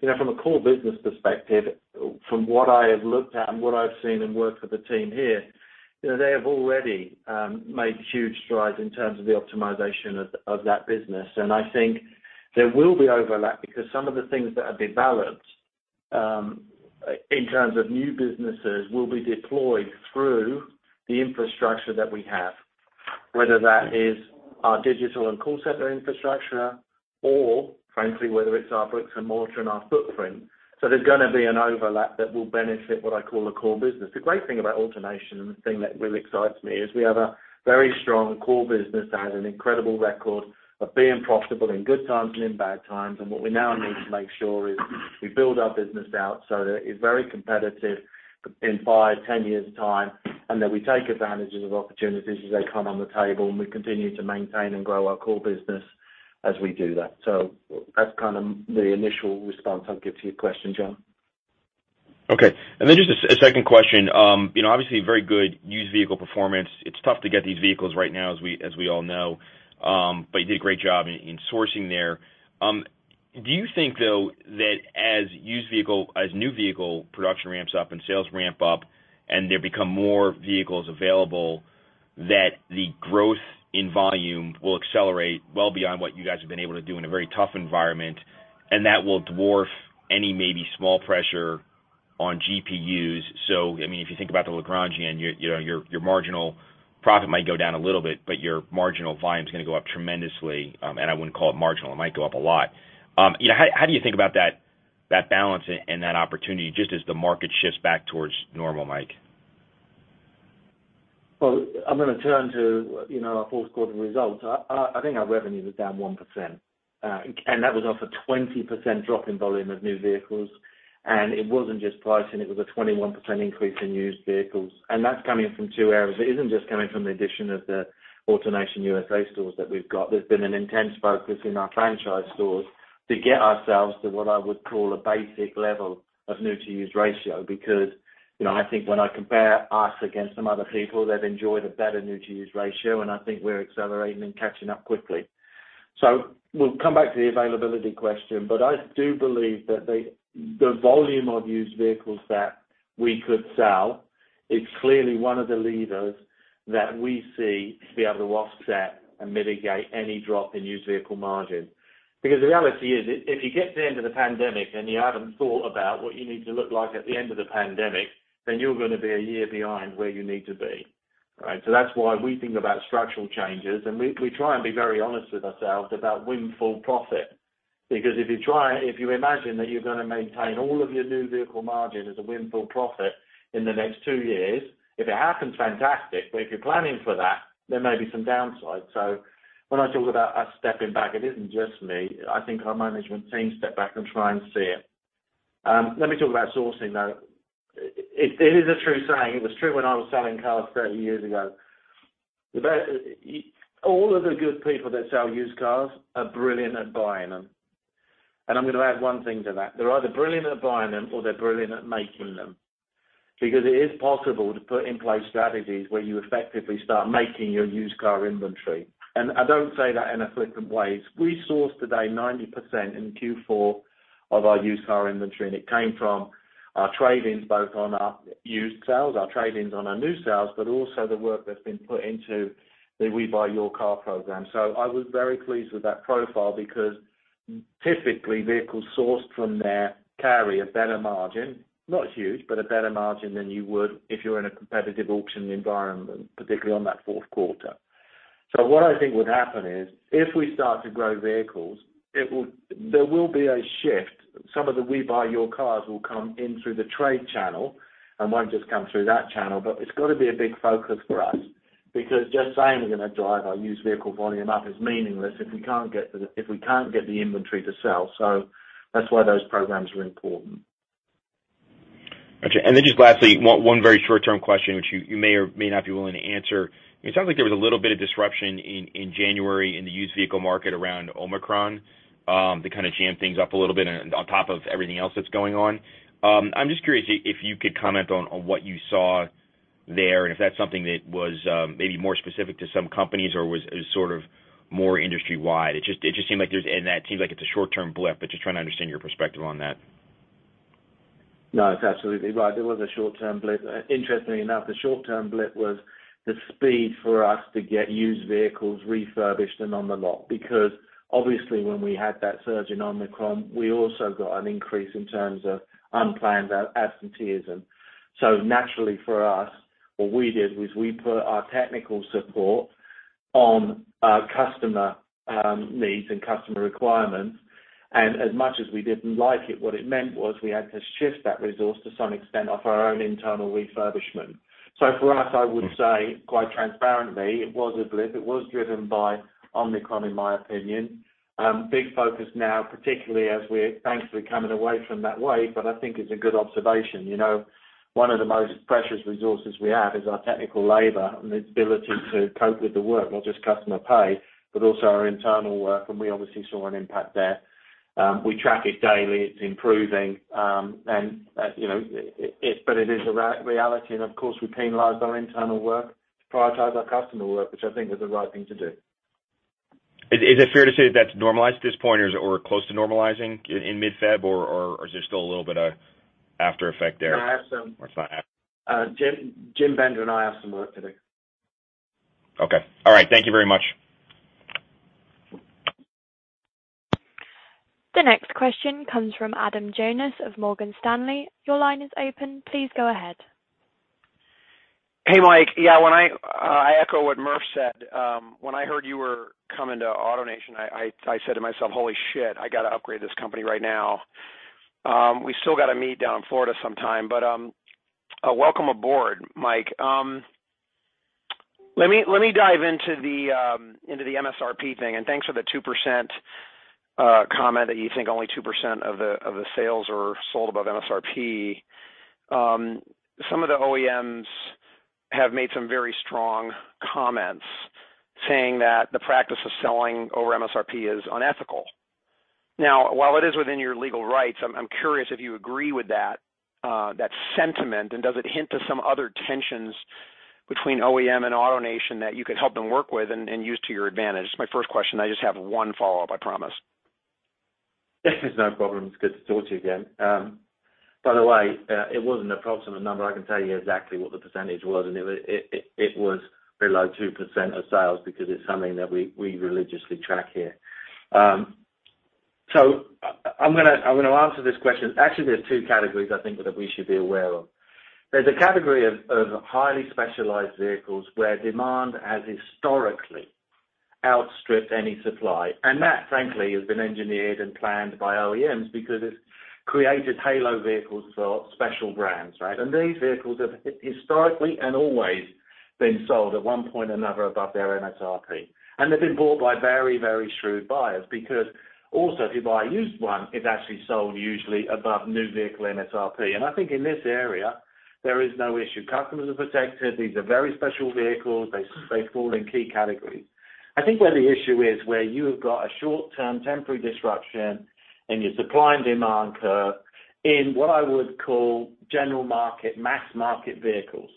You know, from a core business perspective, from what I have looked at and what I've seen and worked with the team here, you know, they have already made huge strides in terms of the optimization of that business. I think there will be overlap because some of the things that have been balanced in terms of new businesses will be deployed through the infrastructure that we have, whether that is our digital and call center infrastructure or frankly, whether it's our bricks and mortar and our footprint. There's gonna be an overlap that will benefit what I call the core business. The great thing about AutoNation and the thing that really excites me is we have a very strong core business that has an incredible record of being profitable in good times and in bad times. What we now need to make sure is we build our business out so that it's very competitive in five, 10 years' time, and that we take advantages of opportunities as they come on the table, and we continue to maintain and grow our core business as we do that. That's kind of the initial response I'll give to your question, John. Okay. Then just a second question. You know, obviously very good used vehicle performance. It's tough to get these vehicles right now as we all know. You did a great job in sourcing there. Do you think though that as new vehicle production ramps up and sales ramp up and there become more vehicles available, that the growth in volume will accelerate well beyond what you guys have been able to do in a very tough environment, and that will dwarf any maybe small pressure on GPUs? I mean, if you think about the Lagrangian, you know, your marginal profit might go down a little bit, but your marginal volume is gonna go up tremendously. I wouldn't call it marginal. It might go up a lot. You know, how do you think about that balance and that opportunity just as the market shifts back towards normal, Mike? Well, I'm gonna turn to, you know, our fourth quarter results. I think our revenue was down 1%, and that was off a 20% drop in volume of new vehicles. It wasn't just pricing, it was a 21% increase in used vehicles. That's coming from two areas. It isn't just coming from the addition of the AutoNation USA stores that we've got. There's been an intense focus in our franchise stores to get ourselves to what I would call a basic level of new to used ratio because, you know, I think when I compare us against some other people, they've enjoyed a better new to used ratio, and I think we're accelerating and catching up quickly. We'll come back to the availability question, but I do believe that the volume of used vehicles that we could sell is clearly one of the levers that we see to be able to offset and mitigate any drop in used vehicle margin. Because the reality is if you get to the end of the pandemic and you haven't thought about what you need to look like at the end of the pandemic, then you're gonna be a year behind where you need to be, right? That's why we think about structural changes, and we try and be very honest with ourselves about windfall profit. Because if you imagine that you're gonna maintain all of your new vehicle margin as a windfall profit in the next two years, if it happens, fantastic. If you're planning for that, there may be some downsides. When I talk about us stepping back, it isn't just me. I think our management team step back and try and see it. Let me talk about sourcing, though. It is a true saying, it was true when I was selling cars 30 years ago. All of the good people that sell used cars are brilliant at buying them. I'm gonna add one thing to that. They're either brilliant at buying them or they're brilliant at making them because it is possible to put in place strategies where you effectively start making your used car inventory. I don't say that in a flippant way. We source today 90% in Q4 of our used car inventory, and it came from our trade-ins, both on our used sales, our trade-ins on our new sales, but also the work that's been put into the We Buy Your Car program. I was very pleased with that profile because typically, vehicles sourced from there carry a better margin. Not huge, but a better margin than you would if you're in a competitive auction environment, particularly on that fourth quarter. What I think would happen is if we start to grow vehicles, there will be a shift. Some of the We Buy Your Car will come in through the trade channel and won't just come through that channel, but it's got to be a big focus for us because just saying we're gonna drive our used vehicle volume up is meaningless if we can't get the inventory to sell. That's why those programs are important. Okay. Just lastly, one very short-term question, which you may or may not be willing to answer. It sounds like there was a little bit of disruption in January in the used vehicle market around Omicron, that kind of jammed things up a little bit on top of everything else that's going on. I'm just curious if you could comment on what you saw there and if that's something that was maybe more specific to some companies or was it sort of more industry wide. It just seemed like there's and that seems like it's a short-term blip, but just trying to understand your perspective on that. No, it's absolutely right. There was a short-term blip. Interestingly enough, the short-term blip was the speed for us to get used vehicles refurbished and, on the lot, because obviously when we had that surge in Omicron, we also got an increase in terms of unplanned absenteeism. Naturally for us, what we did was we put our technical support on customer needs and customer requirements. As much as we didn't like it, what it meant was we had to shift that resource to some extent off our own internal refurbishment. For us, I would say quite transparently, it was a blip. It was driven by Omicron in my opinion. Big focus now, particularly as we're thankfully coming away from that wave. I think it's a good observation. You know, one of the most precious resources we have is our technical labor and its ability to cope with the work, not just customer pay, but also our internal work. We obviously saw an impact there. We track it daily, it's improving. You know, but it is a reality and of course we penalized our internal work to prioritize our customer work, which I think is the right thing to do. Is it fair to say that's normalized at this point or is it we're close to normalizing in mid-February, or is there still a little bit of after effect there? I have some- It's not. Jim Bender and I have some work to do. Okay. All right. Thank you very much. The next question comes from Adam Jonas of Morgan Stanley. Your line is open. Please go ahead. Hey, Mike. Yeah, when I echo what Murphy said. When I heard you were coming to AutoNation, I said to myself, "Holy shit, I gotta upgrade this company right now." We still got to meet down in Florida sometime, but welcome aboard, Mike. Let me dive into the MSRP thing, and thanks for the 2% comment that you think only 2% of the sales are sold above MSRP. Some of the OEMs have made some very strong comments saying that the practice of selling over MSRP is unethical. Now, while it is within your legal rights, I'm curious if you agree with that sentiment, and does it hint at some other tensions between OEM and AutoNation that you could help them work with and use to your advantage? It's my first question. I just have one follow-up, I promise. Yes. There's no problem. It's good to talk to you again. By the way, it wasn't an approximate number. I can tell you exactly what the percentage was, and it was below 2% of sales because it's something that we religiously track here. I'm gonna answer this question. Actually, there's two categories I think that we should be aware of. There's a category of highly specialized vehicles where demand has historically outstripped any supply. That, frankly, has been engineered and planned by OEMs because it's created halo vehicles for special brands, right? These vehicles have historically and always been sold at one point or another above their MSRP. They've been bought by very, very shrewd buyers because also if you buy a used one, it's actually sold usually above new vehicle MSRP. I think in this area there is no issue. Customers are protected. These are very special vehicles. They fall in key categories. I think where the issue is where you have got a short term temporary disruption in your supply and demand curve in what I would call general market, mass market vehicles.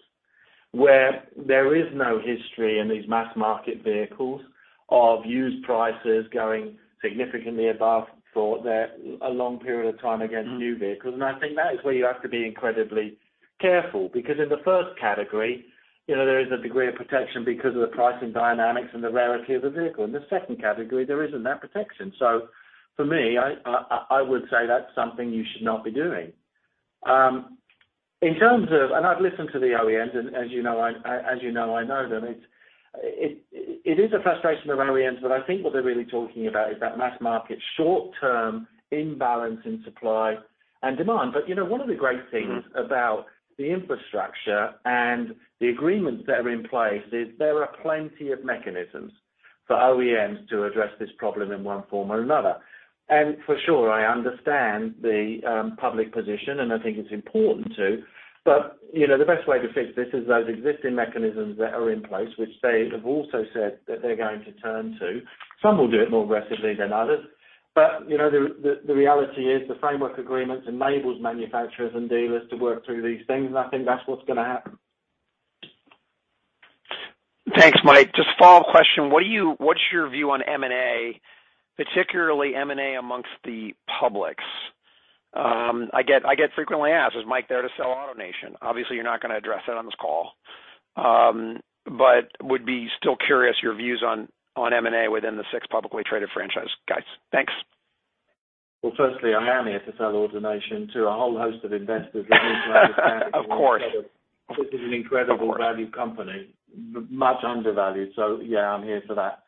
Where there is no history in these mass market vehicles of used prices going significantly above for their a long period of time against new vehicles. I think that is where you have to be incredibly careful because in the first category, you know, there is a degree of protection because of the pricing dynamics and the rarity of the vehicle. In the second category, there isn't that protection. So for me, I would say that's something you should not be doing. In terms of... I've listened to the OEMs and as you know, I know them. It's a frustration of OEMs, but I think what they're really talking about is that mass-market short-term imbalance in supply and demand. You know, one of the great things about the infrastructure, and the agreements that are in place is there are plenty of mechanisms for OEMs to address this problem in one form or another. For sure, I understand the public position, and I think it's important to. You know, the best way to fix this is those existing mechanisms that are in place, which they have also said that they're going to turn to. Some will do it more aggressively than others. You know, the reality is the framework agreements enables manufacturers and dealers to work through these things, and I think that's what's going to happen. Thanks, Mike. Just a follow-up question. What's your view on M&A, particularly M&A amongst the publics? I get frequently asked, "Is Mike there to sell AutoNation?" Obviously, you're not gonna address that on this call. I would still be curious your views on M&A within the six publicly traded franchise guys. Thanks. Well, firstly, I am here to sell AutoNation to a whole host of investors who need to understand. Of course. This is an incredible value company, much undervalued. Yeah, I'm here for that.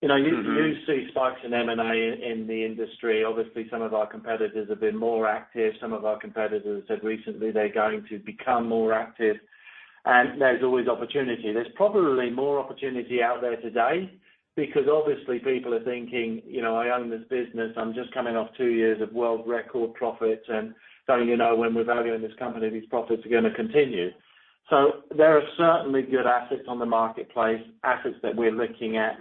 You know. Mm-hmm. You see spikes in M&A in the industry. Obviously, some of our competitors have been more active. Some of our competitors have said recently they're going to become more active. There's always opportunity. There's probably more opportunity out there today because obviously people are thinking, you know, "I own this business. I'm just coming off two years of world record profits," and so, you know, when we're valuing this company, these profits are gonna continue. There are certainly good assets on the marketplace, assets that we're looking at.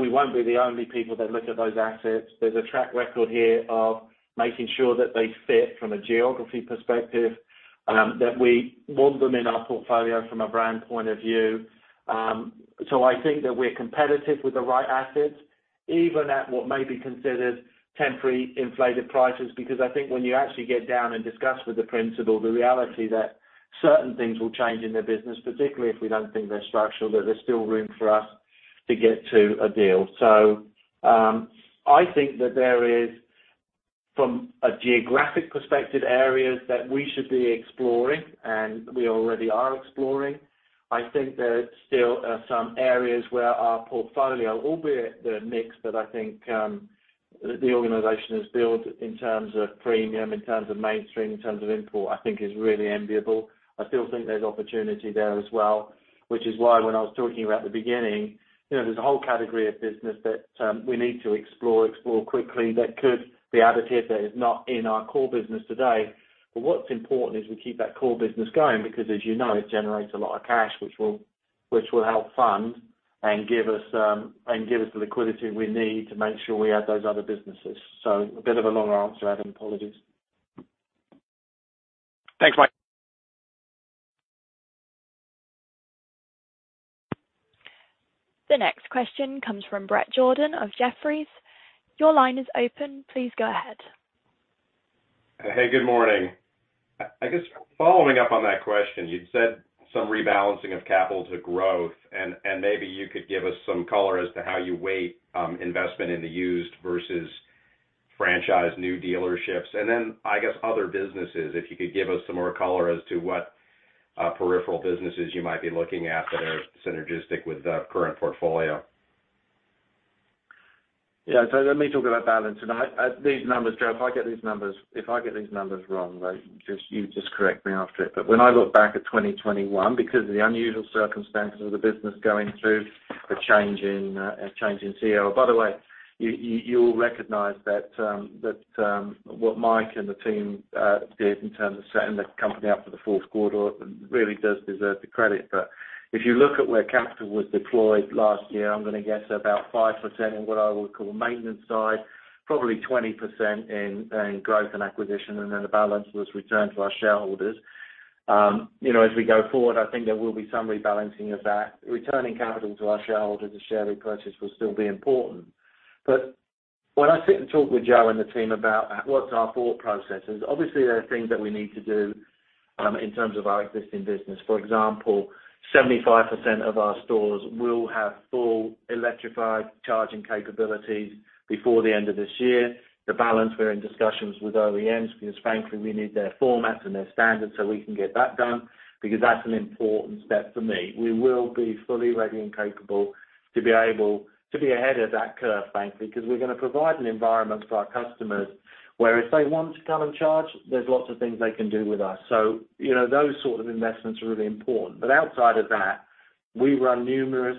We won't be the only people that look at those assets. There's a track record here of making sure that they fit from a geography perspective, that we want them in our portfolio from a brand point of view. I think that we're competitive with the right assets, even at what may be considered temporary inflated prices. Because I think when you actually get down and discuss with the principal the reality that certain things will change in their business, particularly if we don't think they're structural, that there's still room for us to get to a deal. I think that there is, from a geographic perspective, areas that we should be exploring, and we already are exploring. I think there still are some areas where our portfolio, albeit the mix that I think, the organization has built in terms of premium, in terms of mainstream, in terms of import, I think is really enviable. I still think there's opportunity there as well, which is why when I was talking about the beginning, you know, there's a whole category of business that we need to explore quickly that could be additive that is not in our core business today. What's important is we keep that core business going because as you know, it generates a lot of cash which will help fund and give us the liquidity we need to make sure we add those other businesses. A bit of a long answer, Adam. Apologies. Thanks, Mike. The next question comes from Bret Jordan of Jefferies. Your line is open. Please go ahead. Hey, good morning. I guess following up on that question, you'd said some rebalancing of capital to growth, and maybe you could give us some color as to how you weight investment in the used versus franchise new dealerships. Then I guess other businesses, if you could give us some more color as to what peripheral businesses you might be looking at that are synergistic with the current portfolio. Yeah. Let me talk about balance. These numbers, Joe, if I get these numbers wrong, though, just correct me after it. When I look back at 2021, because of the unusual circumstances of the business going through a change in CEO. By the way, you'll recognize that what Mike and the team did in terms of setting the company up for the fourth quarter really does deserve the credit. If you look at where capital was deployed last year, I'm gonna guess about 5% in what I would call maintenance side, probably 20% in growth and acquisition, and then the balance was returned to our shareholders. You know, as we go forward, I think there will be some rebalancing of that. Returning capital to our shareholders through share repurchase will still be important. When I sit and talk with Joe and the team about what's our thought process is obviously there are things that we need to do in terms of our existing business. For example, 75% of our stores will have full electrified charging capabilities before the end of this year. The balance, we're in discussions with OEMs because frankly, we need their formats and their standards so we can get that done because that's an important step for me. We will be fully ready and capable to be able to be ahead of that curve, frankly, because we're gonna provide an environment for our customers where if they want to come and charge, there's lots of things they can do with us. You know, those sort of investments are really important. Outside of that, we run numerous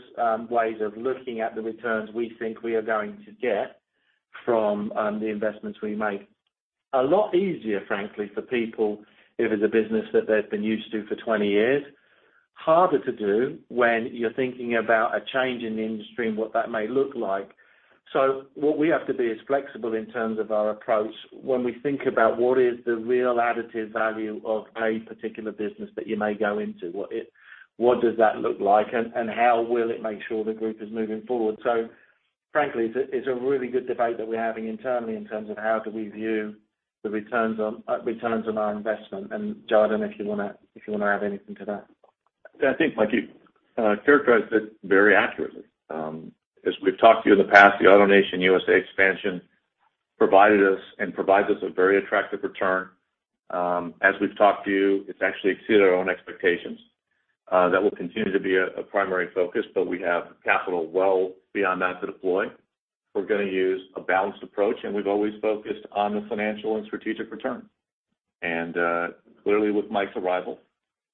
ways of looking at the returns we think we are going to get from the investments we make. A lot easier, frankly, for people if it's a business that they've been used to for 20 years. Harder to do when you're thinking about a change in the industry and what that may look like. What we have to be as flexible in terms of our approach when we think about what is the real additive value of a particular business that you may go into, what does that look like and how will it make sure the group is moving forward. Frankly, it's a really good debate that we're having internally in terms of how do we view the returns on our investment. Joe, I don't know if you wanna add anything to that. I think, Mike, you characterized it very accurately. As we've talked to you in the past, the AutoNation USA expansion provided us and provides us a very attractive return. As we've talked to you, it's actually exceeded our own expectations. That will continue to be a primary focus, but we have capital well beyond that to deploy. We're gonna use a balanced approach, and we've always focused on the financial and strategic return. Clearly with Mike's arrival,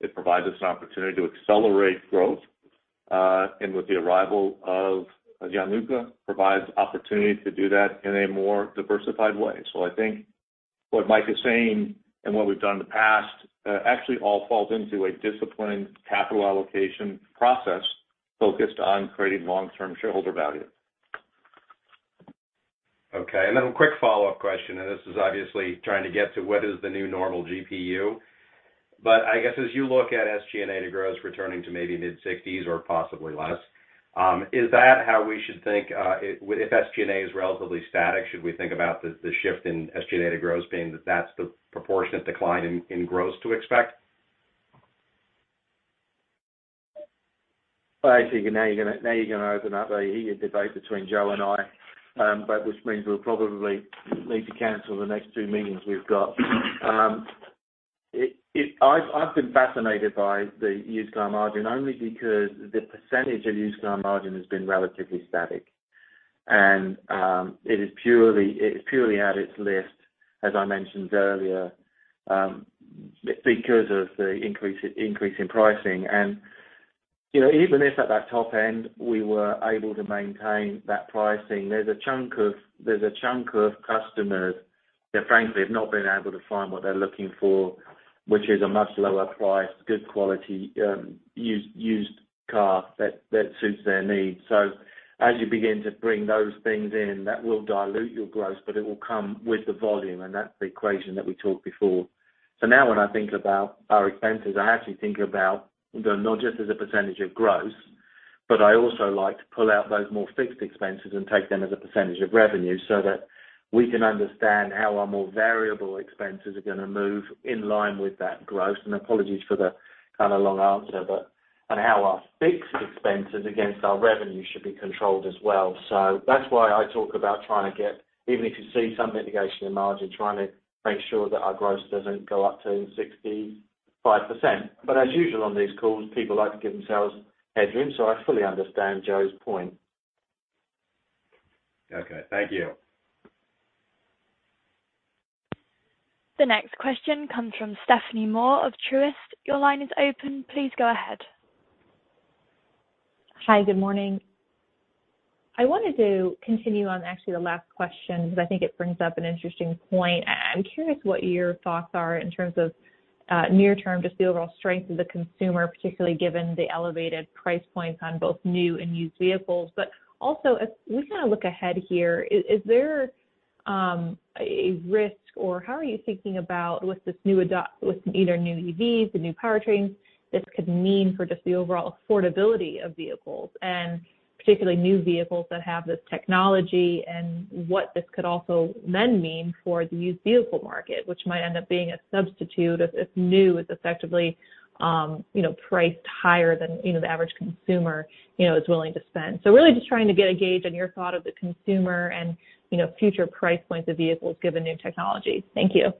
it provides us an opportunity to accelerate growth, and with the arrival of Gianluca, provides opportunity to do that in a more diversified way. I think what Mike is saying and what we've done in the past actually all falls into a disciplined capital allocation process focused on creating long-term shareholder value. Okay. A quick follow-up question, and this is obviously trying to get to what is the new normal GPU. I guess as you look at SG&A to gross returning to maybe mid-60s% or possibly less, is that how we should think, if SG&A is relatively static, should we think about the shift in SG&A to gross being that that's the proportionate decline in gross to expect? Well, I see now you're gonna open up a heated debate between Joe and I, but which means we'll probably need to cancel the next two meetings we've got. I've been fascinated by the used car margin only because the percentage of used car margin has been relatively static. It is purely added lift, as I mentioned earlier, because of the increase in pricing. You know, even if at that top end, we were able to maintain that pricing, there's a chunk of customers that frankly have not been able to find what they're looking for, which is a much lower price, good quality used car that suits their needs. As you begin to bring those things in, that will dilute your growth, but it will come with the volume, and that's the equation that we talked before. Now when I think about our expenses, I actually think about them not just as a percentage of gross, but I also like to pull out those more fixed expenses and take them as a percentage of revenue so that we can understand how our more variable expenses are gonna move in line with that growth. Apologies for the kind of long answer, but, and how our fixed expenses against our revenue should be controlled as well. That's why I talk about trying to get even if you see some mitigation in margin, trying to make sure that our growth doesn't go up to 65%. As usual on these calls, people like to give themselves headroom. I fully understand Joe's point. Okay. Thank you. The next question comes from Stephanie Moore of Truist. Your line is open. Please go ahead. Hi. Good morning. I wanted to continue on actually the last question because I think it brings up an interesting point. I'm curious what your thoughts are in terms of near term, just the overall strength of the consumer, particularly given the elevated price points on both new and used vehicles. Also as we kind of look ahead here, is there a risk or how are you thinking about with this new adoption with either new EVs, the new powertrains, this could mean for just the overall affordability of vehicles and particularly new vehicles that have this technology and what this could also then mean for the used vehicle market, which might end up being a substitute if new is effectively you know priced higher than you know the average consumer you know is willing to spend? really just trying to get a gauge on your thought of the consumer and, you know, future price points of vehicles given new technology. Thank you.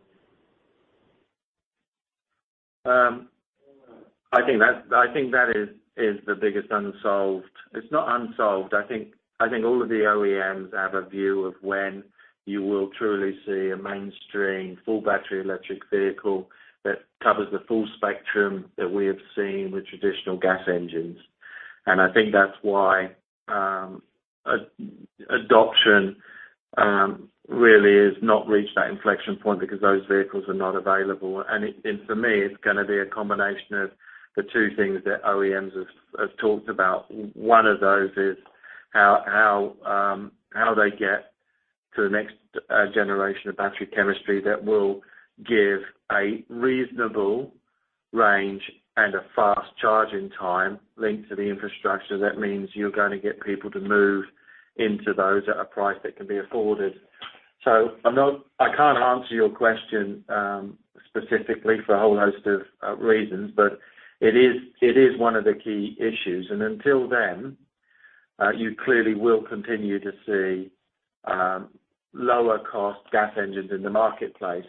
I think that is the biggest unsolved. It's not unsolved. I think all of the OEMs have a view of when you will truly see a mainstream full battery electric vehicle that covers the full spectrum that we have seen with traditional gas engines. I think that's why adoption really has not reached that inflection point because those vehicles are not available. For me, it's gonna be a combination of the two things that OEMs have talked about. One of those is how they get to the next generation of battery chemistry that will give a reasonable range and a fast-charging time linked to the infrastructure. That means you're going to get people to move into those at a price that can be afforded. I can't answer your question specifically for a whole host of reasons, but it is one of the key issues. Until then, you clearly will continue to see lower cost gas engines in the marketplace.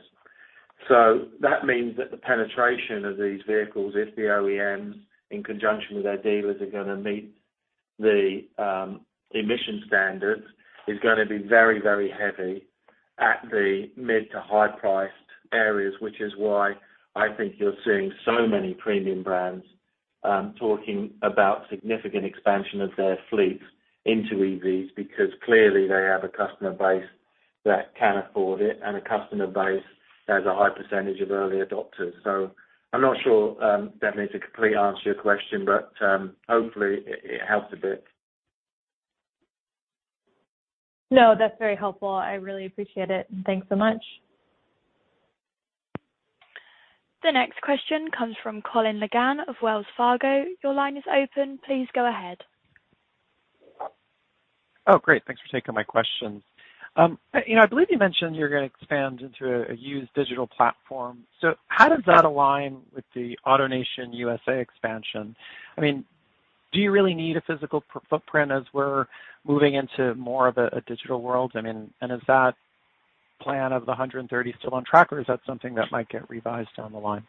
That means that the penetration of these vehicles, if the OEMs in conjunction with their dealers are gonna meet the emission standards, is gonna be very, very heavy at the mid to high priced areas, which is why I think you're seeing so many premium brands talking about significant expansion of their fleets into EVs, because clearly they have a customer base that can afford it and a customer base that has a high percentage of early adopters. I'm not sure definitely to completely answer your question, but hopefully it helps a bit. No, that's very helpful. I really appreciate it. Thanks so much. The next question comes from Colin Langan of Wells Fargo. Your line is open. Please go ahead. Oh, great. Thanks for taking my question. You know, I believe you mentioned you're going to expand into a used digital platform. So how does that align with the AutoNation USA expansion? I mean, do you really need a physical footprint as we're moving into more of a digital world? I mean, is that plan of the 130 still on track, or is that something that might get revised down the line?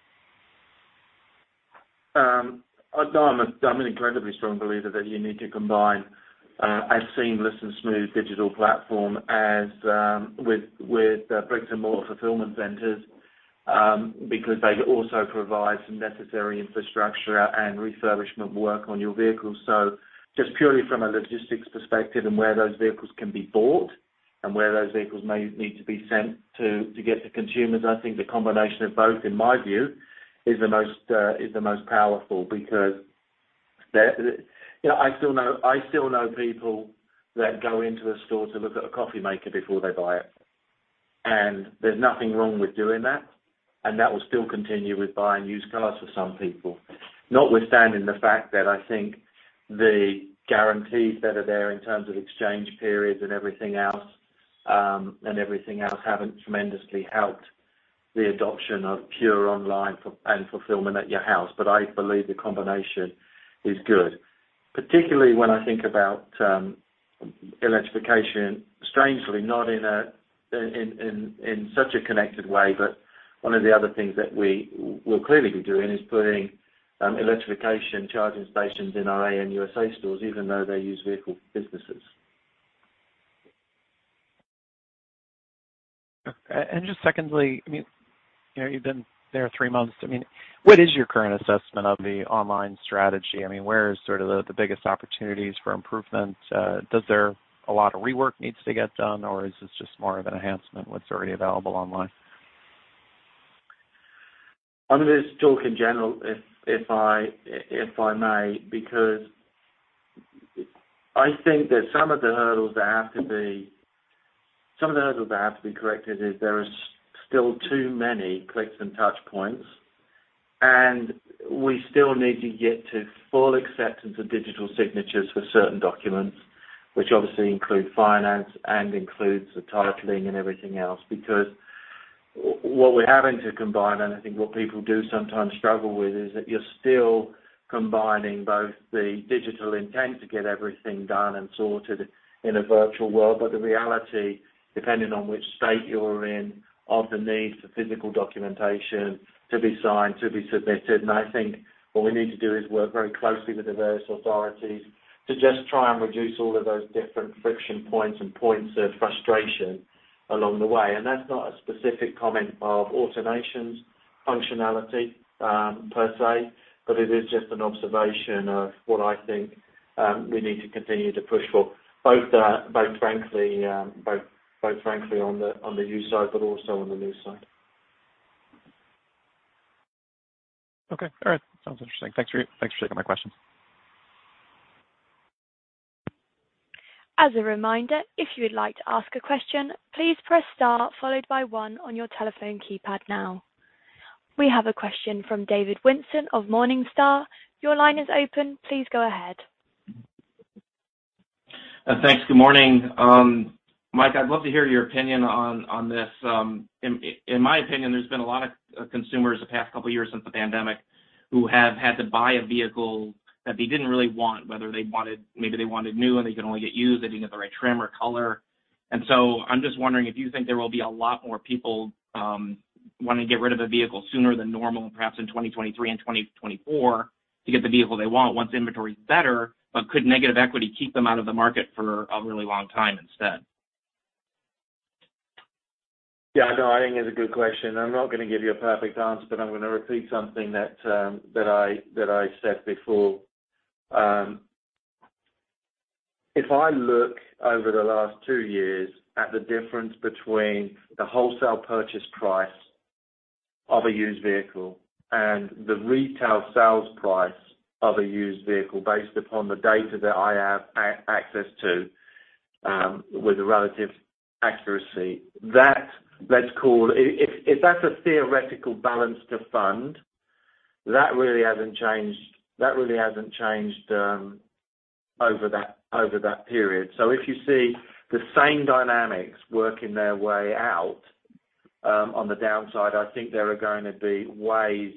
No, I'm an incredibly strong believer that you need to combine a seamless and smooth digital platform with bricks and mortar fulfillment centers because they also provide some necessary infrastructure and refurbishment work on your vehicles. Just purely from a logistics perspective and where those vehicles can be bought, and where those vehicles may need to be sent to get to consumers. I think the combination of both, in my view, is the most powerful because they're, you know, I still know people that go into a store to look at a coffee maker before they buy it, and there's nothing wrong with doing that. That will still continue with buying used cars for some people, notwithstanding the fact that I think the guarantees that are there in terms of exchange periods and everything else haven't tremendously helped the adoption of pure online and fulfillment at your house. I believe the combination is good, particularly when I think about electrification strangely not in such a connected way. One of the other things that we will clearly be doing is putting electrification charging stations in our AutoNation USA stores, even though they're used vehicle businesses. Okay. Just secondly, I mean, you know, you've been there three months. I mean, what is your current assessment of the online strategy? I mean, where is sort of the biggest opportunities for improvement? Is there a lot of rework needs to get done, or is this just more of an enhancement what's already available online? I'm going to talk in general, if I may, because I think that some of those that have to be corrected is that there are still too many clicks and touch points, and we still need to get to full acceptance of digital signatures for certain documents, which obviously include finance and includes the titling and everything else. Because what we're having to combine, and I think what people do sometimes struggle with, is that you're still combining both the digital intent to get everything done and sorted in a virtual world. The reality, depending on which state you're in, of the need for physical documentation to be signed, to be submitted. I think what we need to do is work very closely with the various authorities to just try and reduce all of those different friction points and points of frustration along the way. That's not a specific comment of AutoNation's functionality, per se, but it is just an observation of what I think we need to continue to push for both frankly on the used side, but also on the new side. Okay. All right. Sounds interesting. Thanks for taking my questions. As a reminder, if you would like to ask a question, please press star followed by one on your telephone keypad now. We have a question from David Whiston of Morningstar. Your line is open. Please go ahead. Thanks. Good morning. Mike, I'd love to hear your opinion on this. In my opinion, there's been a lot of consumers the past couple of years since the pandemic who have had to buy a vehicle that they didn't really want, whether they wanted new and they could only get used, they didn't get the right trim or color. I'm just wondering if you think there will be a lot more people wanting to get rid of a vehicle sooner than normal, perhaps in 2023 and 2024 to get the vehicle they want once inventory is better. Could negative equity keep them out of the market for a really long time instead? Yeah. No, I think it's a good question. I'm not gonna give you a perfect answer, but I'm gonna repeat something that I said before. If I look over the last two years at the difference between the wholesale purchase price of a used vehicle and the retail sales price of a used vehicle based upon the data that I have access to, with a relative accuracy. That, let's call. If that's a theoretical balance to fund, that really hasn't changed over that period. If you see the same dynamics working their way out on the downside, I think there are going to be ways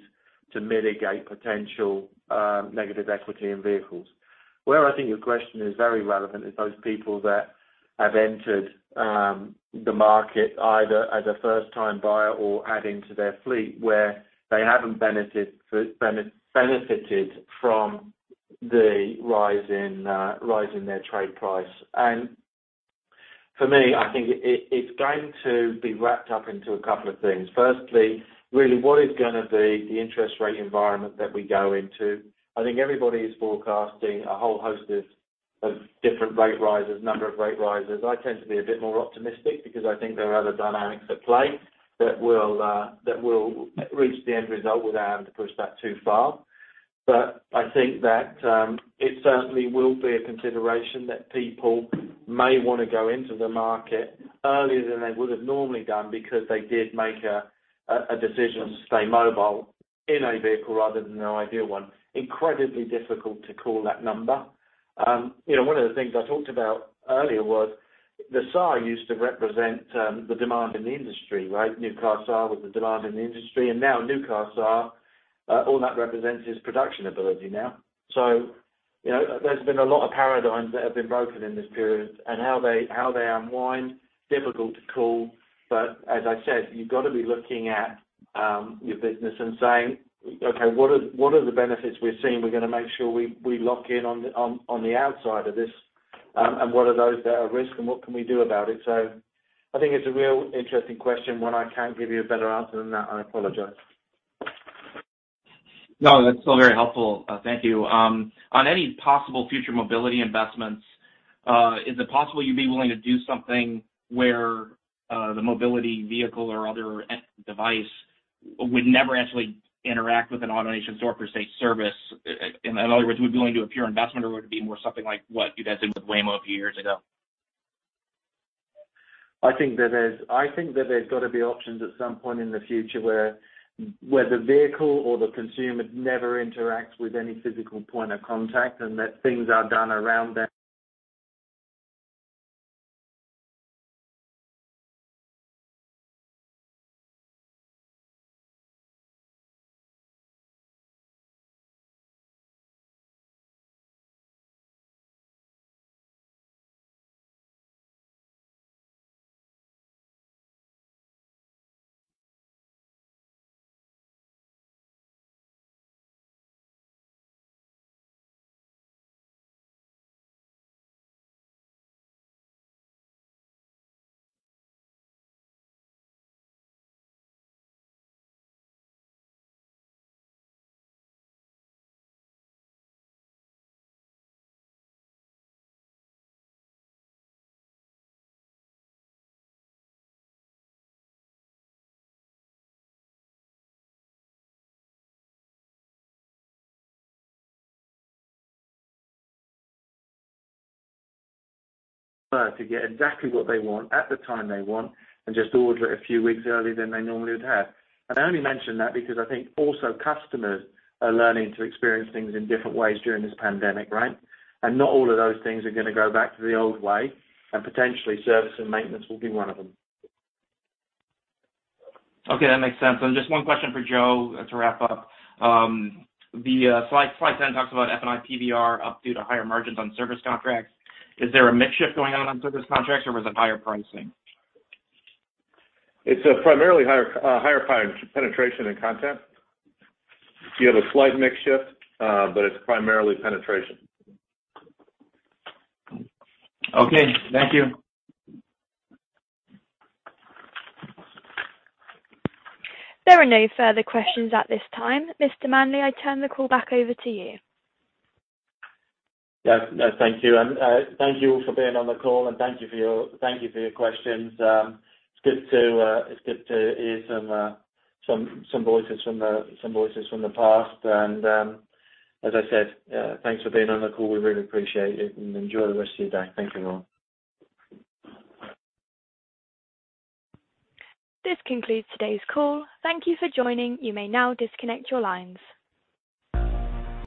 to mitigate potential negative equity in vehicles. Where I think your question is very relevant is those people that have entered the market either as a first-time buyer or adding to their fleet, where they haven't benefited from the rise in their trade price. For me, I think it's going to be wrapped up into a couple of things. Firstly, really, what is gonna be the interest rate environment that we go into? I think everybody is forecasting a whole host of different rate rises, number of rate rises. I tend to be a bit more optimistic because I think there are other dynamics at play that will reach the end result without having to push that too far. I think that it certainly will be a consideration that people may wanna go into the market earlier than they would have normally done because they did make a decision to stay mobile in a vehicle rather than no ideal one. Incredibly difficult to call that number. You know, one of the things I talked about earlier was the SAR used to represent the demand in the industry, right? New car SAR was the demand in the industry, and now new car SAR all that represents is production ability now. You know, there's been a lot of paradigms that have been broken in this period and how they unwind, difficult to call. As I said, you've got to be looking at your business and saying, "Okay, what are the benefits we're seeing? We're gonna make sure we lock in on the upside of this. What are those that are risks and what can we do about it? I think it's a real interesting question when I can't give you a better answer than that, I apologize. No, that's still very helpful. Thank you. On any possible future mobility investments, is it possible you'd be willing to do something where the mobility vehicle or other device would never actually interact with an AutoNation store per se service? In other words, would you be willing to a pure investment or would it be more something like what you guys did with Waymo a few years ago? I think that there's got to be options at some point in the future where the vehicle or the consumer never interacts with any physical point of contact and that things are done around that to get exactly what they want at the time they want and just order it a few weeks earlier than they normally would have. I only mention that because I think also customers are learning to experience things in different ways during this pandemic, right? Not all of those things are gonna go back to the old way, and potentially service and maintenance will be one of them. Okay, that makes sense. Just one question for Joe to wrap up. The slide 10 talks about F&I PVR up due to higher margins on service contracts. Is there a mix shift going on service contracts or was it higher pricing? It's a primarily higher penetration and content. You have a slight mix shift, but it's primarily penetration. Okay. Thank you. There are no further questions at this time. Mr. Manley, I turn the call back over to you. Yes. No, thank you. Thank you all for being on the call, and thank you for your questions. It's good to hear some voices from the past. As I said, thanks for being on the call. We really appreciate it, and enjoy the rest of your day. Thank you all. This concludes today's call. Thank you for joining. You may now disconnect your lines.